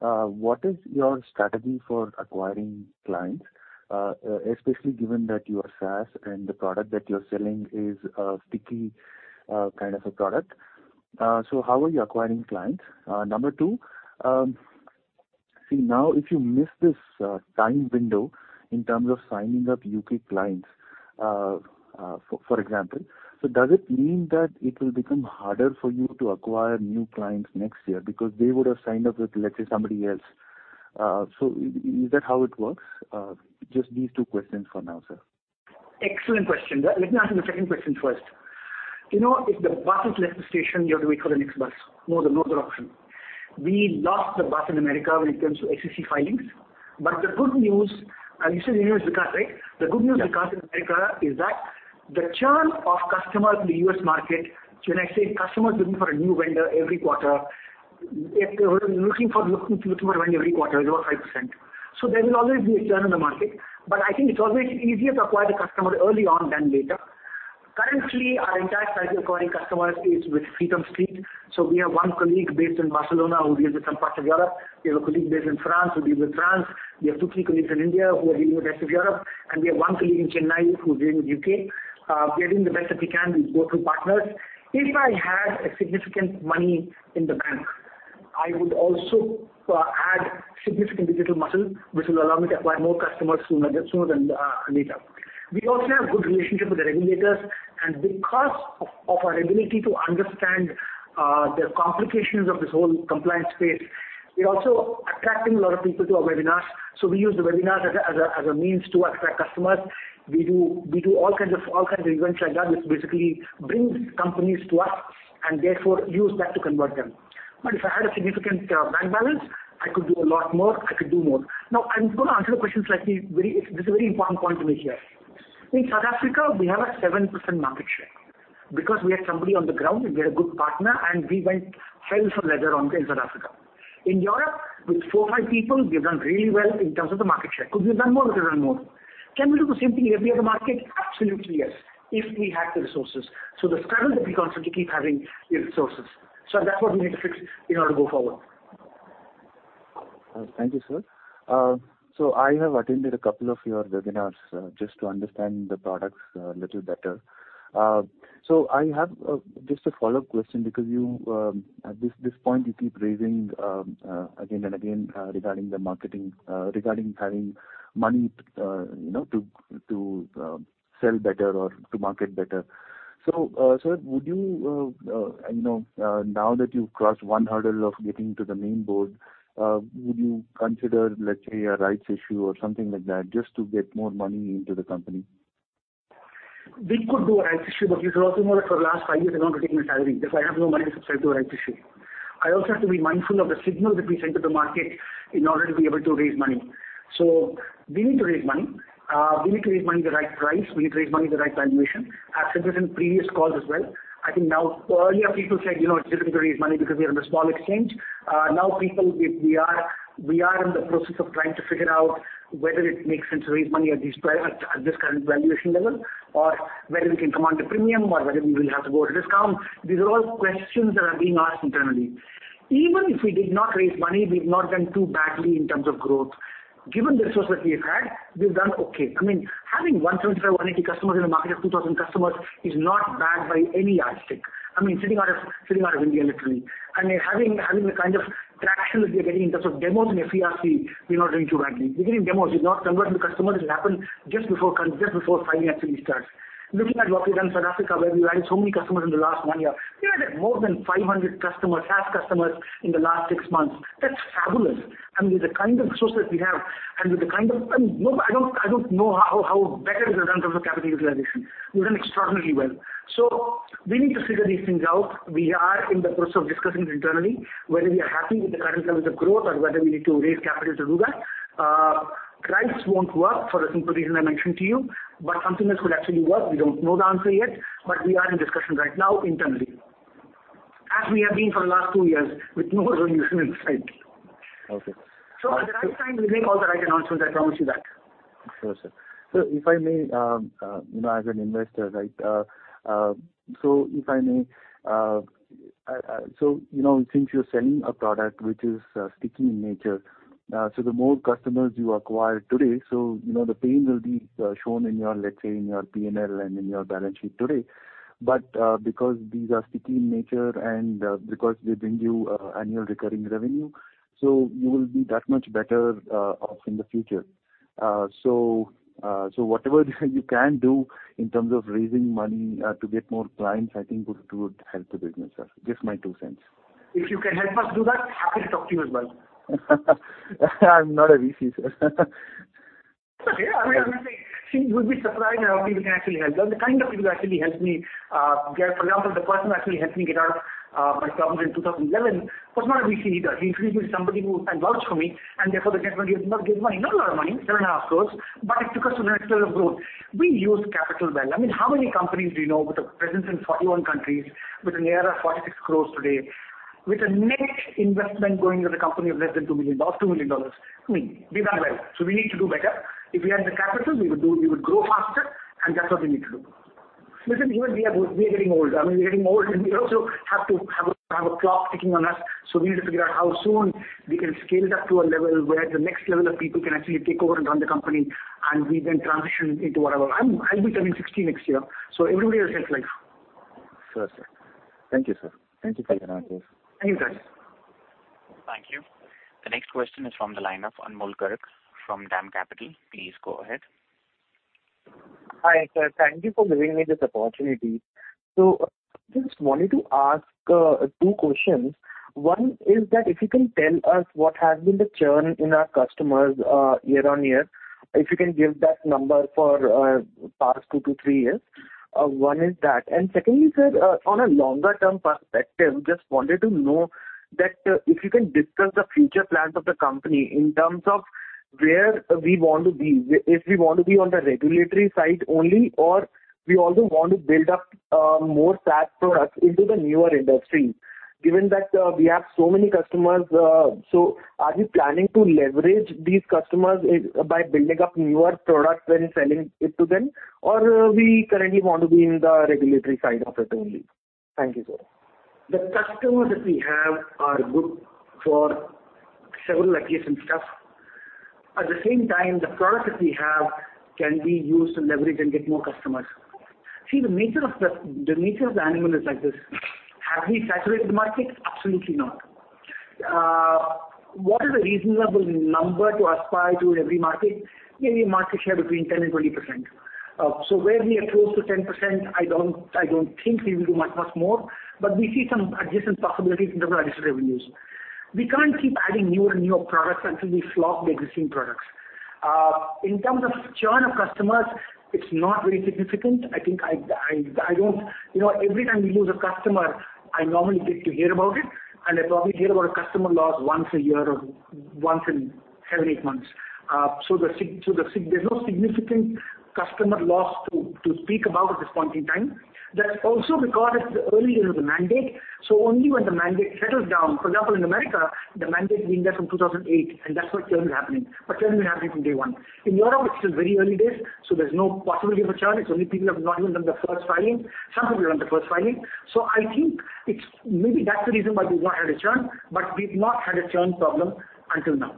what is your strategy for acquiring clients, especially given that you are SaaS and the product that you're selling is a sticky, kind of a product. How are you acquiring clients? Number two, see now if you miss this time window in terms of signing up UK clients, for example, does it mean that it'll become harder for you to acquire new clients next year because they would've signed up with, let's say, somebody else. Is that how it works? Just these two questions for now, sir. Excellent question. Let me answer the second question first. You know, if the bus has left the station, you have to wait for the next bus. No other option. We lost the bus in America when it comes to SEC filings. But the good news. You said your name is Vikas, right? Yes. The good news, Vikas, in America is that the churn of customers in the US market, when I say customers looking for a new vendor every quarter, if they were looking for a vendor every quarter is about 5%. There will always be a churn in the market. I think it's always easier to acquire the customer early on than later. Currently, our entire strategy of acquiring customers is with freemium strategy. We have one colleague based in Barcelona who deals with some parts of Europe. We have a colleague based in France who deals with France. We have two, three colleagues in India who are dealing with rest of Europe, and we have one colleague in Chennai who's dealing with U.K. We are doing the best that we can. We go through partners. If I had a significant money in the bank, I would also add significant digital muscle, which will allow me to acquire more customers sooner than later. We also have good relationship with the regulators, and because of our ability to understand the complications of this whole compliance space, we're also attracting a lot of people to our webinars. We use the webinars as a means to attract customers. We do all kinds of events like that, which basically brings companies to us, and therefore use that to convert them. But if I had a significant bank balance, I could do a lot more. I could do more. Now, I'm gonna answer your questions slightly. Very, this is a very important point to make here. In South Africa, we have a 7% market share because we had somebody on the ground, we had a good partner, and we went hell for leather on it in South Africa. In Europe, with 4-5 people, we've done really well in terms of the market share. Could we have done more? We could've done more. Can we do the same thing everywhere in the market? Absolutely yes, if we had the resources. The struggle will be constantly keep having the resources. That's what we need to fix in order to go forward. Thank you, sir. I have attended a couple of your webinars just to understand the products a little better. I have just a follow-up question because you at this point you keep raising again and again regarding the marketing regarding having money you know to sell better or to market better. Sir, would you you know now that you've crossed one hurdle of getting to the main board would you consider, let's say, a rights issue or something like that just to get more money into the company? We could do a rights issue, but you should also know that for the last five years I've not taken my salary, therefore I have no money to subscribe to a rights issue. I also have to be mindful of the signal that we send to the market in order to be able to raise money. We need to raise money. We need to raise money at the right price. We need to raise money at the right valuation. I've said this in previous calls as well. I think now. Earlier people said, "You know, it's difficult to raise money because we are on a small exchange." Now people, we are in the process of trying to figure out whether it makes sense to raise money at this current valuation level, or whether we can command a premium or whether we will have to go at a discount. These are all questions that are being asked internally. Even if we did not raise money, we've not done too badly in terms of growth. Given the resource that we have had, we've done okay. I mean, having 175-180 customers in a market of 2,000 customers is not bad by any yardstick. I mean, sitting out of India literally. Having the kind of traction that we are getting in terms of demos in FERC, we're not doing too badly. We're getting demos. We've not converted the customers. It happened just before filing actually starts. Looking at what we've done in South Africa, where we've added so many customers in the last one year. We added more than 500 customers, SaaS customers in the last six months. That's fabulous. I mean, with the kind of resource that we have and with the kind of I mean, no, I don't know how better it is done in terms of capital utilization. We've done extraordinarily well. We need to figure these things out. We are in the process of discussing internally whether we are happy with the current levels of growth or whether we need to raise capital to do that. Price won't work for the simple reason I mentioned to you, but something else could actually work. We don't know the answer yet, but we are in discussions right now internally, as we have been for the last two years with no resolution in sight. Okay. At the right time, we'll make all the right announcements. I promise you that. Sure, sir. If I may, you know, as an investor, right, so, you know, since you're selling a product which is sticky in nature, so the more customers you acquire today, you know, the pain will be shown in your, let's say, in your P&L and in your balance sheet today. Because these are sticky in nature and because they bring you annual recurring revenue, so you will be that much better off in the future. Whatever you can do in terms of raising money to get more clients, I think would help the business, sir. Just my two cents. If you can help us do that, happy to talk to you as well. I'm not a VC, sir. Okay. I mean, I'm not saying. See, you would be surprised at how people can actually help. The kind of people who actually helped me get. For example, the person who actually helped me get out of my problem in 2011 was not a VC either. He introduced me to somebody who and vouched for me, and therefore the gentleman gave money. Not a lot of money, 7.5 crore, but it took us to the next level of growth. We used capital well. I mean, how many companies do you know with a presence in 41 countries, with an ARR of 46 crore today, with a net investment going into the company of less than $2 million, $2 million? I mean, we've done well. We need to do better. If we had the capital, we would grow faster, and that's what we need to do. Listen, even we are getting older. I mean, we're getting older, and we also have to have a clock ticking on us. We need to figure out how soon we can scale it up to a level where the next level of people can actually take over and run the company, and we then transition into whatever. I'll be turning 60 next year, so everybody has a shelf life. Sure, sir. Thank you, sir. Thank you for the answers. Thank you, guys. Thank you. The next question is from the line of Anmol Garg from DAM Capital. Please go ahead. Hi, sir. Thank you for giving me this opportunity. Just wanted to ask two questions. One is that if you can tell us what has been the churn in our customers year-on-year. If you can give that number for past 2-3 years. Secondly, sir, on a longer term perspective, just wanted to know that if you can discuss the future plans of the company in terms of where we want to be. If we want to be on the regulatory side only or we also want to build up more SaaS products into the newer industry. Given that we have so many customers so are we planning to leverage these customers by building up newer products and selling it to them? We currently want to be in the regulatory side of it only? Thank you, sir. The customers that we have are good for several adjacent stuff. At the same time, the product that we have can be used to leverage and get more customers. See, the nature of the animal is like this. Have we saturated the market? Absolutely not. What is a reasonable number to aspire to in every market? Maybe a market share between 10% and 20%. Where we are close to 10%, I don't think we will do much more. We see some adjacent possibilities in terms of additional revenues. We can't keep adding newer and newer products until we flog the existing products. In terms of churn of customers, it's not very significant. I think I don't. You know what? Every time we lose a customer, I normally get to hear about it, and I probably hear about a customer loss once a year or once in seven or eight months. There's no significant customer loss to speak about at this point in time. That's also because it's the early days of the mandate, so only when the mandate settles down. For example, in America, the mandate's been there since 2008, and that's why churn is happening. Churn will be happening from day one. In Europe, it's still very early days, so there's no possibility of a churn. It's only people have not even done the first filing. Some people have done the first filing. I think it's maybe that's the reason why we've not had a churn, but we've not had a churn problem until now.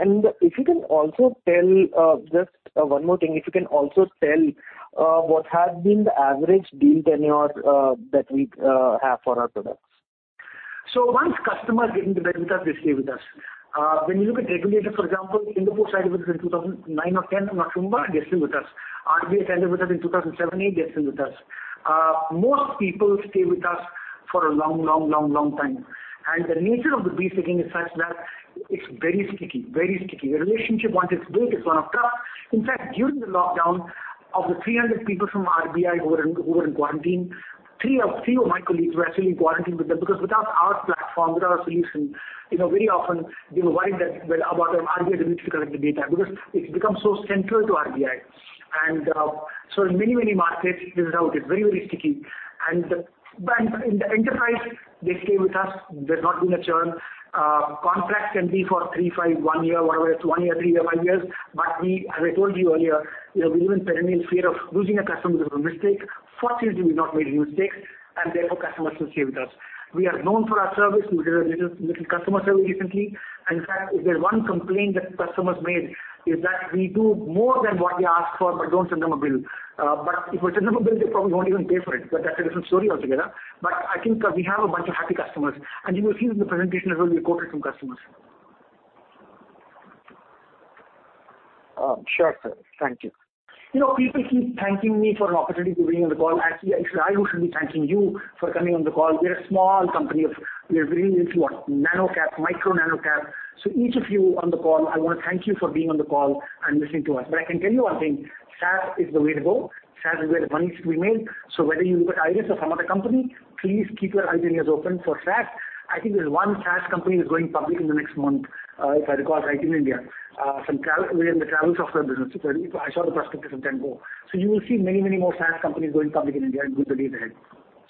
Sure, sir. If you can also tell just one more thing, what has been the average deal tenure that we have for our products. Once customers get into bed with us, they stay with us. When you look at regulators, for example, India Post signed with us in 2009 or 2010, I'm not sure about it, they're still with us. RBI signed with us in 2007 or 2008, they're still with us. Most people stay with us for a long time. The nature of the business again is such that it's very sticky. The relationship, once it's built, is one of trust. In fact, during the lockdown, of the 300 people from RBI who were in quarantine, three of my colleagues were actually in quarantine with them because without our platform, without our solution, you know, very often they were worried that, well, about their RBI ability to collect the data because it's become so central to RBI. In many markets, this is how it is. Very sticky. But in the enterprise, they stay with us. There's not been a churn. Contracts can be for three, five, one year, whatever. It's one year, three year, five years. We, as I told you earlier, live in perennial fear of losing a customer because of a mistake. Fortunately, we've not made any mistakes, and therefore customers still stay with us. We are known for our service. We did a little customer survey recently. In fact, if there's one complaint that customers made is that we do more than what they ask for but don't send them a bill. If we send them a bill, they probably won't even pay for it. That's a different story altogether. I think we have a bunch of happy customers, and you will see that in the presentation as well, we quoted some customers. Sure, sir. Thank you. You know, people keep thanking me for an opportunity to be on the call. Actually, it's I who should be thanking you for coming on the call. We're a small company. We're really into what? Nano cap, micro nano cap. Each of you on the call, I wanna thank you for being on the call and listening to us. I can tell you one thing, SaaS is the way to go. SaaS is where the money is to be made. Whether you look at IRIS or some other company, please keep your eyes and ears open for SaaS. I think there's one SaaS company that's going public in the next month, if I recall, RateGain. We're in the travel software business. I saw the prospectus some time ago. You will see many, many more SaaS companies going public in India in the days ahead.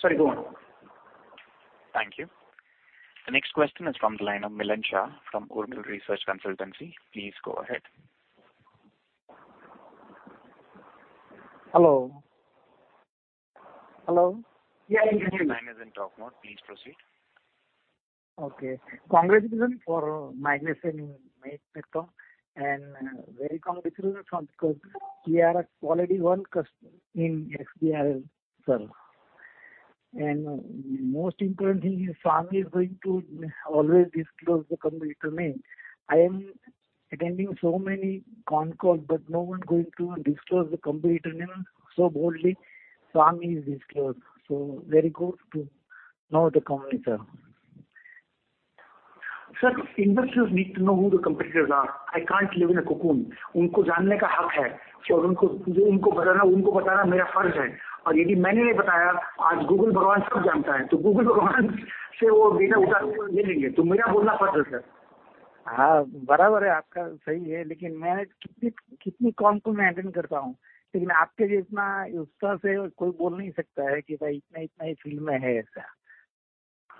Sorry, go on. Thank you. The next question is from the line of Milan Shah from Urmil Research Consultancy. Please go ahead. Hello? Hello? Yeah, I can hear you. Your line is in talk mode. Please proceed. Okay. Congratulations for Magnus and made.com. Very congratulations because we are a quality one customer in XBRL, sir. Most important thing is Swami is going to always disclose the company to me. I am attending so many con calls, but no one going to disclose the competitor name so boldly. Swami has disclosed. Very good to know the company, sir. Sir, investors need to know who the competitors are. I can't live in a cocoon.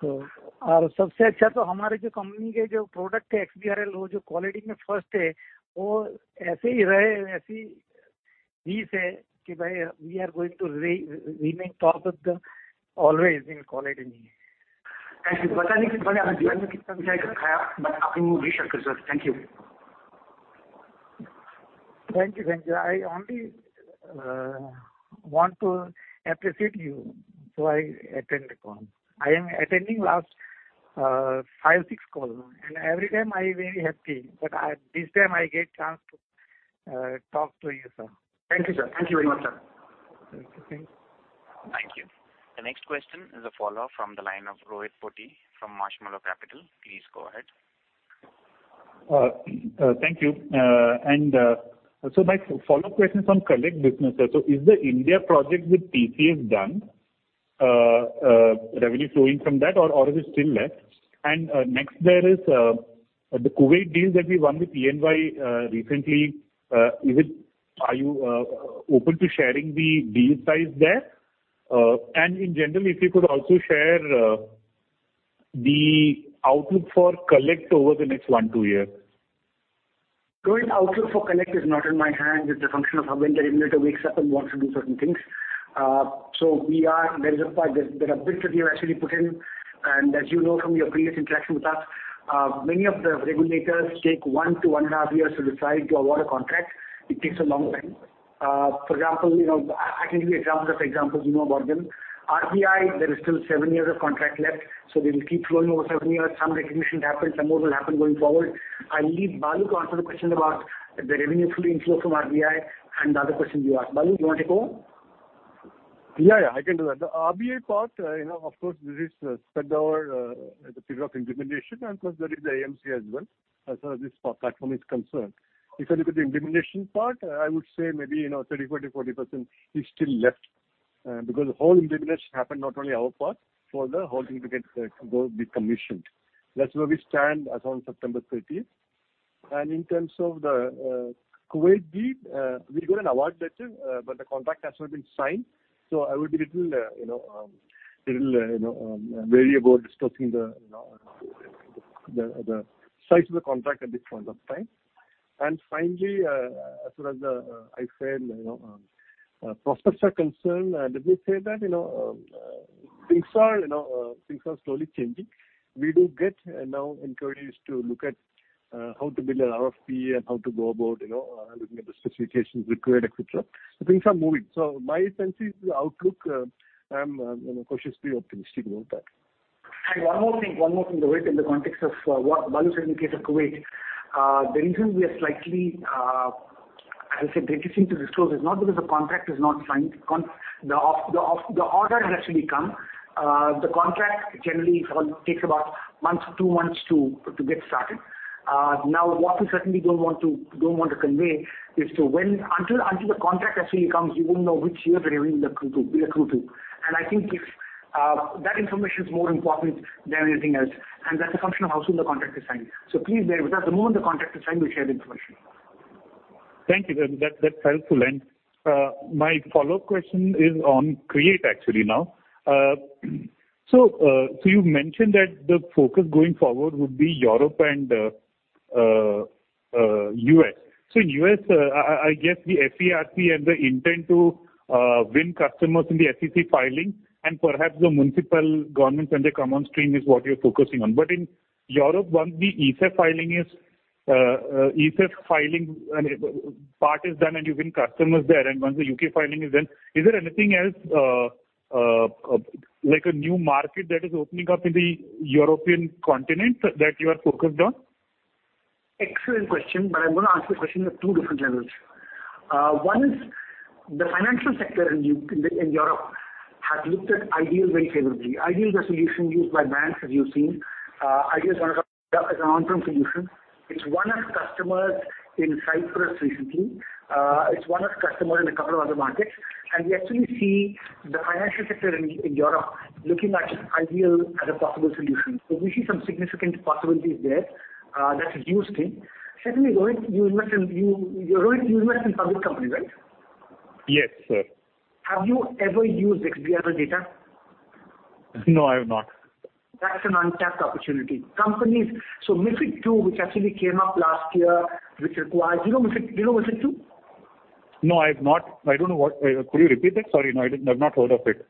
Thank you. I don't know how much time I have kept. I wish you all the best. Thank you. Thank you. I only want to appreciate you, so I attend the call. I am attending last five, six call, and every time I very happy. This time I get chance to talk to you, sir. Thank you, sir. Thank you very much, sir. Thank you. Thank you. Thank you. The next question is a follow-up from the line of Rohith Potti from Marshmallow Capital. Please go ahead. Thank you. My follow-up question is on Collect Business. Is the India project with TCS done, revenue flowing from that, or is it still left? Next, there is the Kuwait deal that we won with PNY recently. Are you open to sharing the deal size there? In general, if you could also share the outlook for Collect over the next one, two year. Current outlook for Collect is not in my hand. It's a function of when the regulator wakes up and wants to do certain things. There is a part, there are bits that we have actually put in. As you know from your previous interaction with us, many of the regulators take one to one and a half years to decide to award a contract. It takes a long time. For example, you know, I can give you examples after examples. You know about them. RBI, there is still seven years of contract left, so they will keep flowing over seven years. Some recognition happened, some more will happen going forward. I'll leave Balu to answer the question about the revenue flowing from RBI and the other question you asked. Balu, you want to take over? Yeah, yeah. I can do that. The RPI part, you know, of course this is spread over the period of implementation, and of course there is the AMC as well, as far as this platform is concerned. If I look at the implementation part, I would say maybe 30%-40% is still left, because the whole implementation happens not only on our part for the whole thing to be commissioned. That's where we stand as on September 30. In terms of the Kuwait bid, we got an award letter, but the contract has not been signed, so I would be little you know wary about discussing you know the size of the contract at this point of time. Finally, as far as the IFM, you know, prospects are concerned, let me say that, you know, things are slowly changing. We do get now inquiries to look at how to build an RFP and how to go about, you know, looking at the specifications required, et cetera. Things are moving. My sense is the outlook, I'm, you know, cautiously optimistic about that. One more thing. One more thing, Rohith, in the context of what Balu said in the case of Kuwait. The reason we are slightly, I'll say, reluctant to disclose is not because the contract is not signed. The order has actually come. The contract generally takes about a month to two months to get started. Now what we certainly don't want to convey is until the contract actually comes, you won't know which year the revenue will accrue to. I think that information is more important than anything else, and that's a function of how soon the contract is signed. Please bear with us. The moment the contract is signed, we'll share the information. Thank you. That's helpful. My follow-up question is on Carbon actually now. You mentioned that the focus going forward would be Europe and U.S. In U.S., I guess the intent is to win customers in the FERC and SEC filing and perhaps the municipal governments and the compliance stream is what you're focusing on. In Europe, once the ESEF filing part is done, and you win customers there, and once the UK filing is done, is there anything else, like a new market that is opening up in the European continent that you are focused on? Excellent question, but I'm gonna answer the question at two different levels. One is the financial sector in Europe have looked at iDEAL very favorably. iDEAL is a solution used by banks, as you've seen. iDEAL is one of the long-term solutions. It's won us customers in Cyprus recently. It's won us customers in a couple of other markets. We actually see the financial sector in Europe looking at iDEAL as a possible solution. We see some significant possibilities there, that's a huge thing. Certainly, Rohith, you invest in public companies, right? Yes, sir. Have you ever used XBRL data? No, I have not. That's an untapped opportunity. MiFID II, which actually came up last year. Do you know MiFID, do you know MiFID II? No, I have not. I don't know what. Could you repeat that? Sorry. I've not heard of it.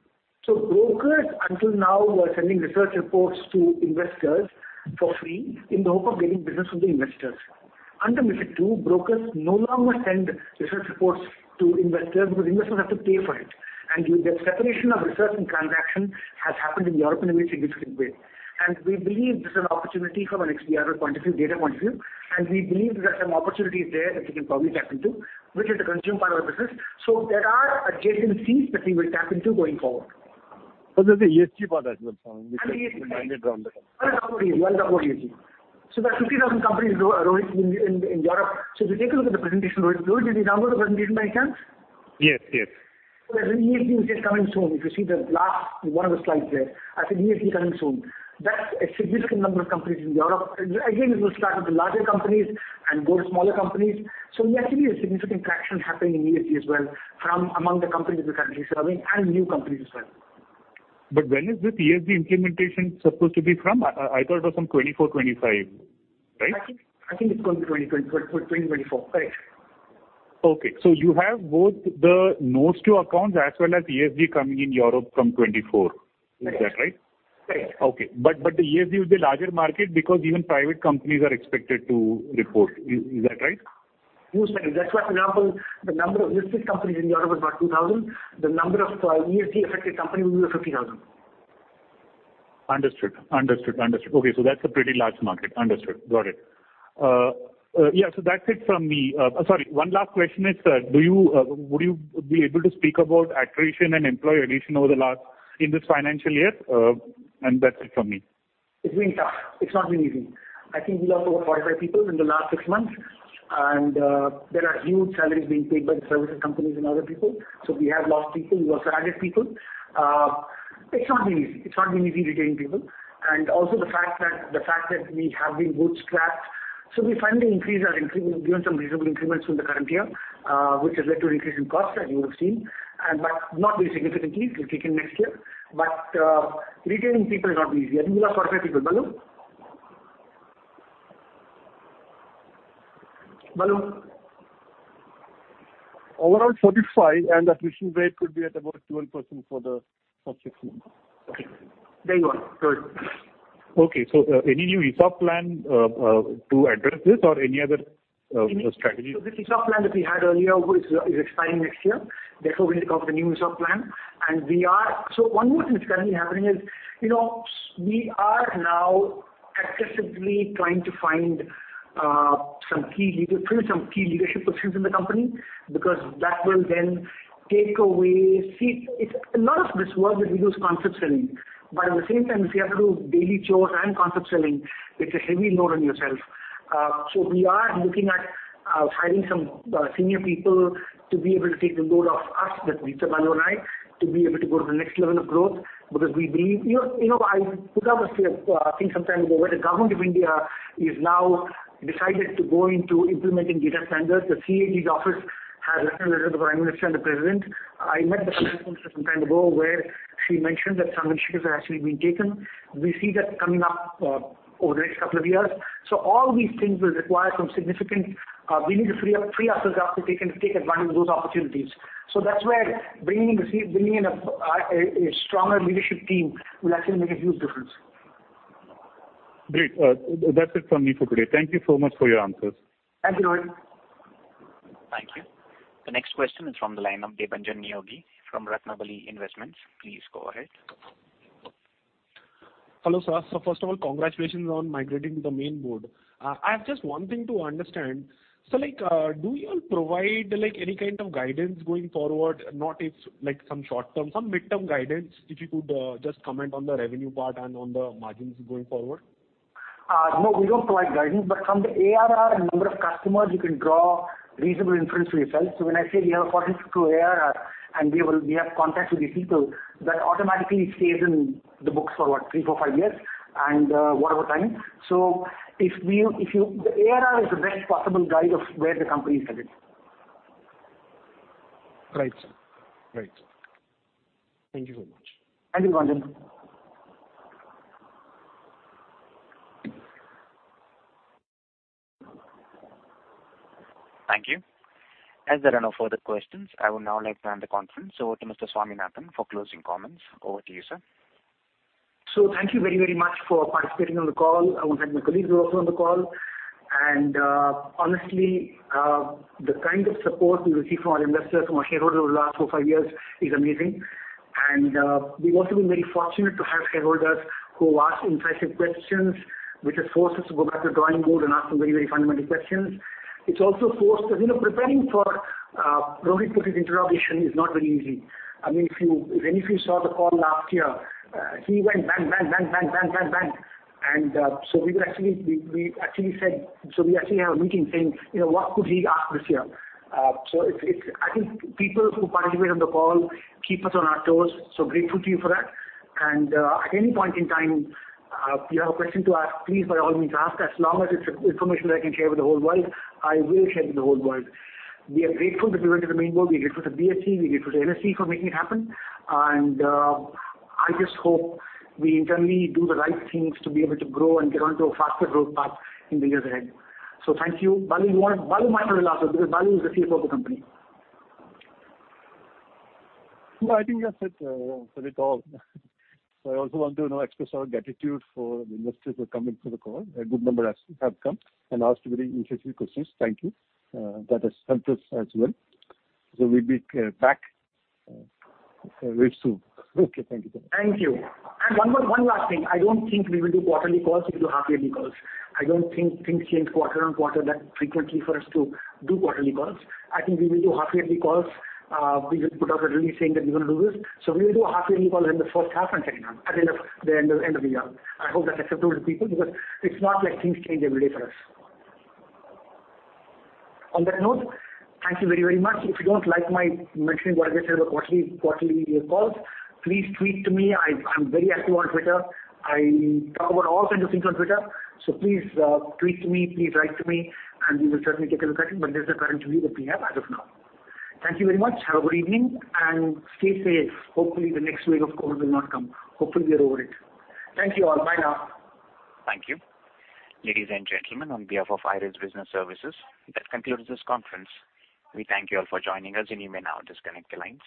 Brokers until now were sending research reports to investors for free in the hope of getting business from the investors. Under MiFID II, brokers no longer send research reports to investors because investors have to pay for it. With the separation of research and transaction has happened in Europe in a very significant way. We believe this is an opportunity from an XBRL point of view, data point of view, and we believe there are some opportunities there that we can probably tap into, which will consume part of our business. There are adjacent areas that we will tap into going forward. There's the ESG part as well. ESG. Which has been mandated. I'll talk about ESG. There are 50,000 companies logging in in Europe. If you take a look at the presentation, Rohith. Rohithh, did you download the presentation by any chance? Yes, yes. There's an ESG which says coming soon. If you see the last one of the slides there, I said ESG coming soon. That's a significant number of companies in Europe. Again, it will start with the larger companies and go to smaller companies. Yes, there is a significant traction happening in ESG as well from among the companies we're currently serving and new companies as well. When is this ESG implementation supposed to be from? I thought it was from 2024, 2025, right? I think it's going to be 2024. Right. Okay. You have both the NOS two accounts as well as ESG coming in Europe from 2024. Right. Is that right? Right. Okay. The ESG is the larger market because even private companies are expected to report. Is that right? Huge segment. That's why, for example, the number of listed companies in Europe is about 2,000. The number of ESG-affected companies will be 50,000. Understood. Okay. That's a pretty large market. Understood. Got it. That's it from me. Sorry, one last question is, would you be able to speak about accretion and employee attrition over the last in this financial year? That's it from me. It's been tough. It's not been easy. I think we lost over 45 people in the last six months, and there are huge salaries being paid by the services companies and other people. We have lost people. We also added people. It's not been easy. It's not been easy retaining people. The fact that we have been bootstrapped, so we finally increased our increment, given some reasonable increments for the current year, which has led to an increase in costs, as you would have seen, and but not very significantly. It will kick in next year. Retaining people has not been easy. I think we lost 45 people. Balu? Balu? Overall 45, and attrition rate could be at about 12% for the subsequent. Okay. There you are. Good. Okay. Any new ESOP plan to address this or any other, you know, strategy? The ESOP plan that we had earlier, which is expiring next year, therefore we need to come up with a new ESOP plan. One more thing that's currently happening is, we are now actively trying to find some key leadership positions in the company because that will then take away. It's a lot of this work that we do is concept selling. At the same time, if you have to do daily chores and concept selling, it's a heavy load on yourself. We are looking at hiring some senior people to be able to take the load off us, that's Ritu, Balu and I, to be able to go to the next level of growth because we believe. You know, I put out a statement some time ago, where the government of India has now decided to go into implementing data standards. The CAG's office has written a letter to the Prime Minister and the President. I met the Finance Minister some time ago, where she mentioned that some initiatives are actually being taken. We see that coming up over the next couple of years. All these things will require some significant. We need to free ourselves up to take advantage of those opportunities. That's where bringing in a stronger leadership team will actually make a huge difference. Great. That's it from me for today. Thank you so much for your answers. Thank you, Rohith. Thank you. The next question is from the line of Debanjan Neogi from Ratnabali Investments. Please go ahead. Hello, sir. First of all, congratulations on migrating to the main board. I have just one thing to understand. Like, do you all provide, like, any kind of guidance going forward? Like some short-term, some midterm guidance, if you could just comment on the revenue part and on the margins going forward. No, we don't provide guidance, but from the ARR and number of customers, you can draw reasonable inference for yourself. When I say we have a 42 ARR and we have contracts with these people, that automatically stays in the books for what, three, four, five years and, whatever time. If you, the ARR is the best possible guide of where the company is headed. Right. Thank you so much. Thank you, Debanjan. Thank you. As there are no further questions, I would now like to hand the conference over to Mr. Swaminathan for closing comments. Over to you, sir. Thank you very, very much for participating on the call. I want to thank my colleagues who are also on the call. Honestly, the kind of support we receive from our investors, from our shareholders over the last four or five years is amazing. We've also been very fortunate to have shareholders who ask incisive questions, which has forced us to go back to the drawing board and ask some very, very fundamental questions. It's also forced you know, preparing for Rohith's interrogation is not very easy. I mean, if any of you saw the call last year, he went bang, bang, bang, bang. We actually had a meeting saying, you know, "What could he ask this year?" It's. I think people who participate on the call keep us on our toes, so grateful to you for that. At any point in time, if you have a question to ask, please, by all means, ask. As long as it's information that I can share with the whole world, I will share with the whole world. We are grateful that we went to the main board. We're grateful to BSE, we're grateful to NSE for making it happen. I just hope we internally do the right things to be able to grow and get onto a faster growth path in the years ahead. Thank you. Balu might want to relate also because Balu is the CFO of the company. No, I think you have said it all. I also want to, you know, express our gratitude for the investors who have come in for the call. A good number have come and asked very interesting questions. Thank you. That has helped us as well. We'll be back very soon. Okay. Thank you. Thank you. One more, one last thing. I don't think we will do quarterly calls. We'll do half-yearly calls. I don't think things change quarter on quarter that frequently for us to do quarterly calls. I think we will do half-yearly calls. We will put out a release saying that we're gonna do this. We will do a half-yearly call in the first half and second half, at the end of the year. I hope that's acceptable to people, because it's not like things change every day for us. On that note, thank you very, very much. If you don't like my mentioning what I just said about quarterly calls, please tweet to me. I'm very active on Twitter. I talk about all kinds of things on Twitter. Please, tweet to me, please write to me, and we will certainly take a look at it. This is the current view that we have as of now. Thank you very much. Have a good evening and stay safe. Hopefully, the next wave of COVID will not come. Hopefully, we are over it. Thank you all. Bye now. Thank you. Ladies and gentlemen, on behalf of IRIS Business Services, that concludes this conference. We thank you all for joining us, and you may now disconnect your lines.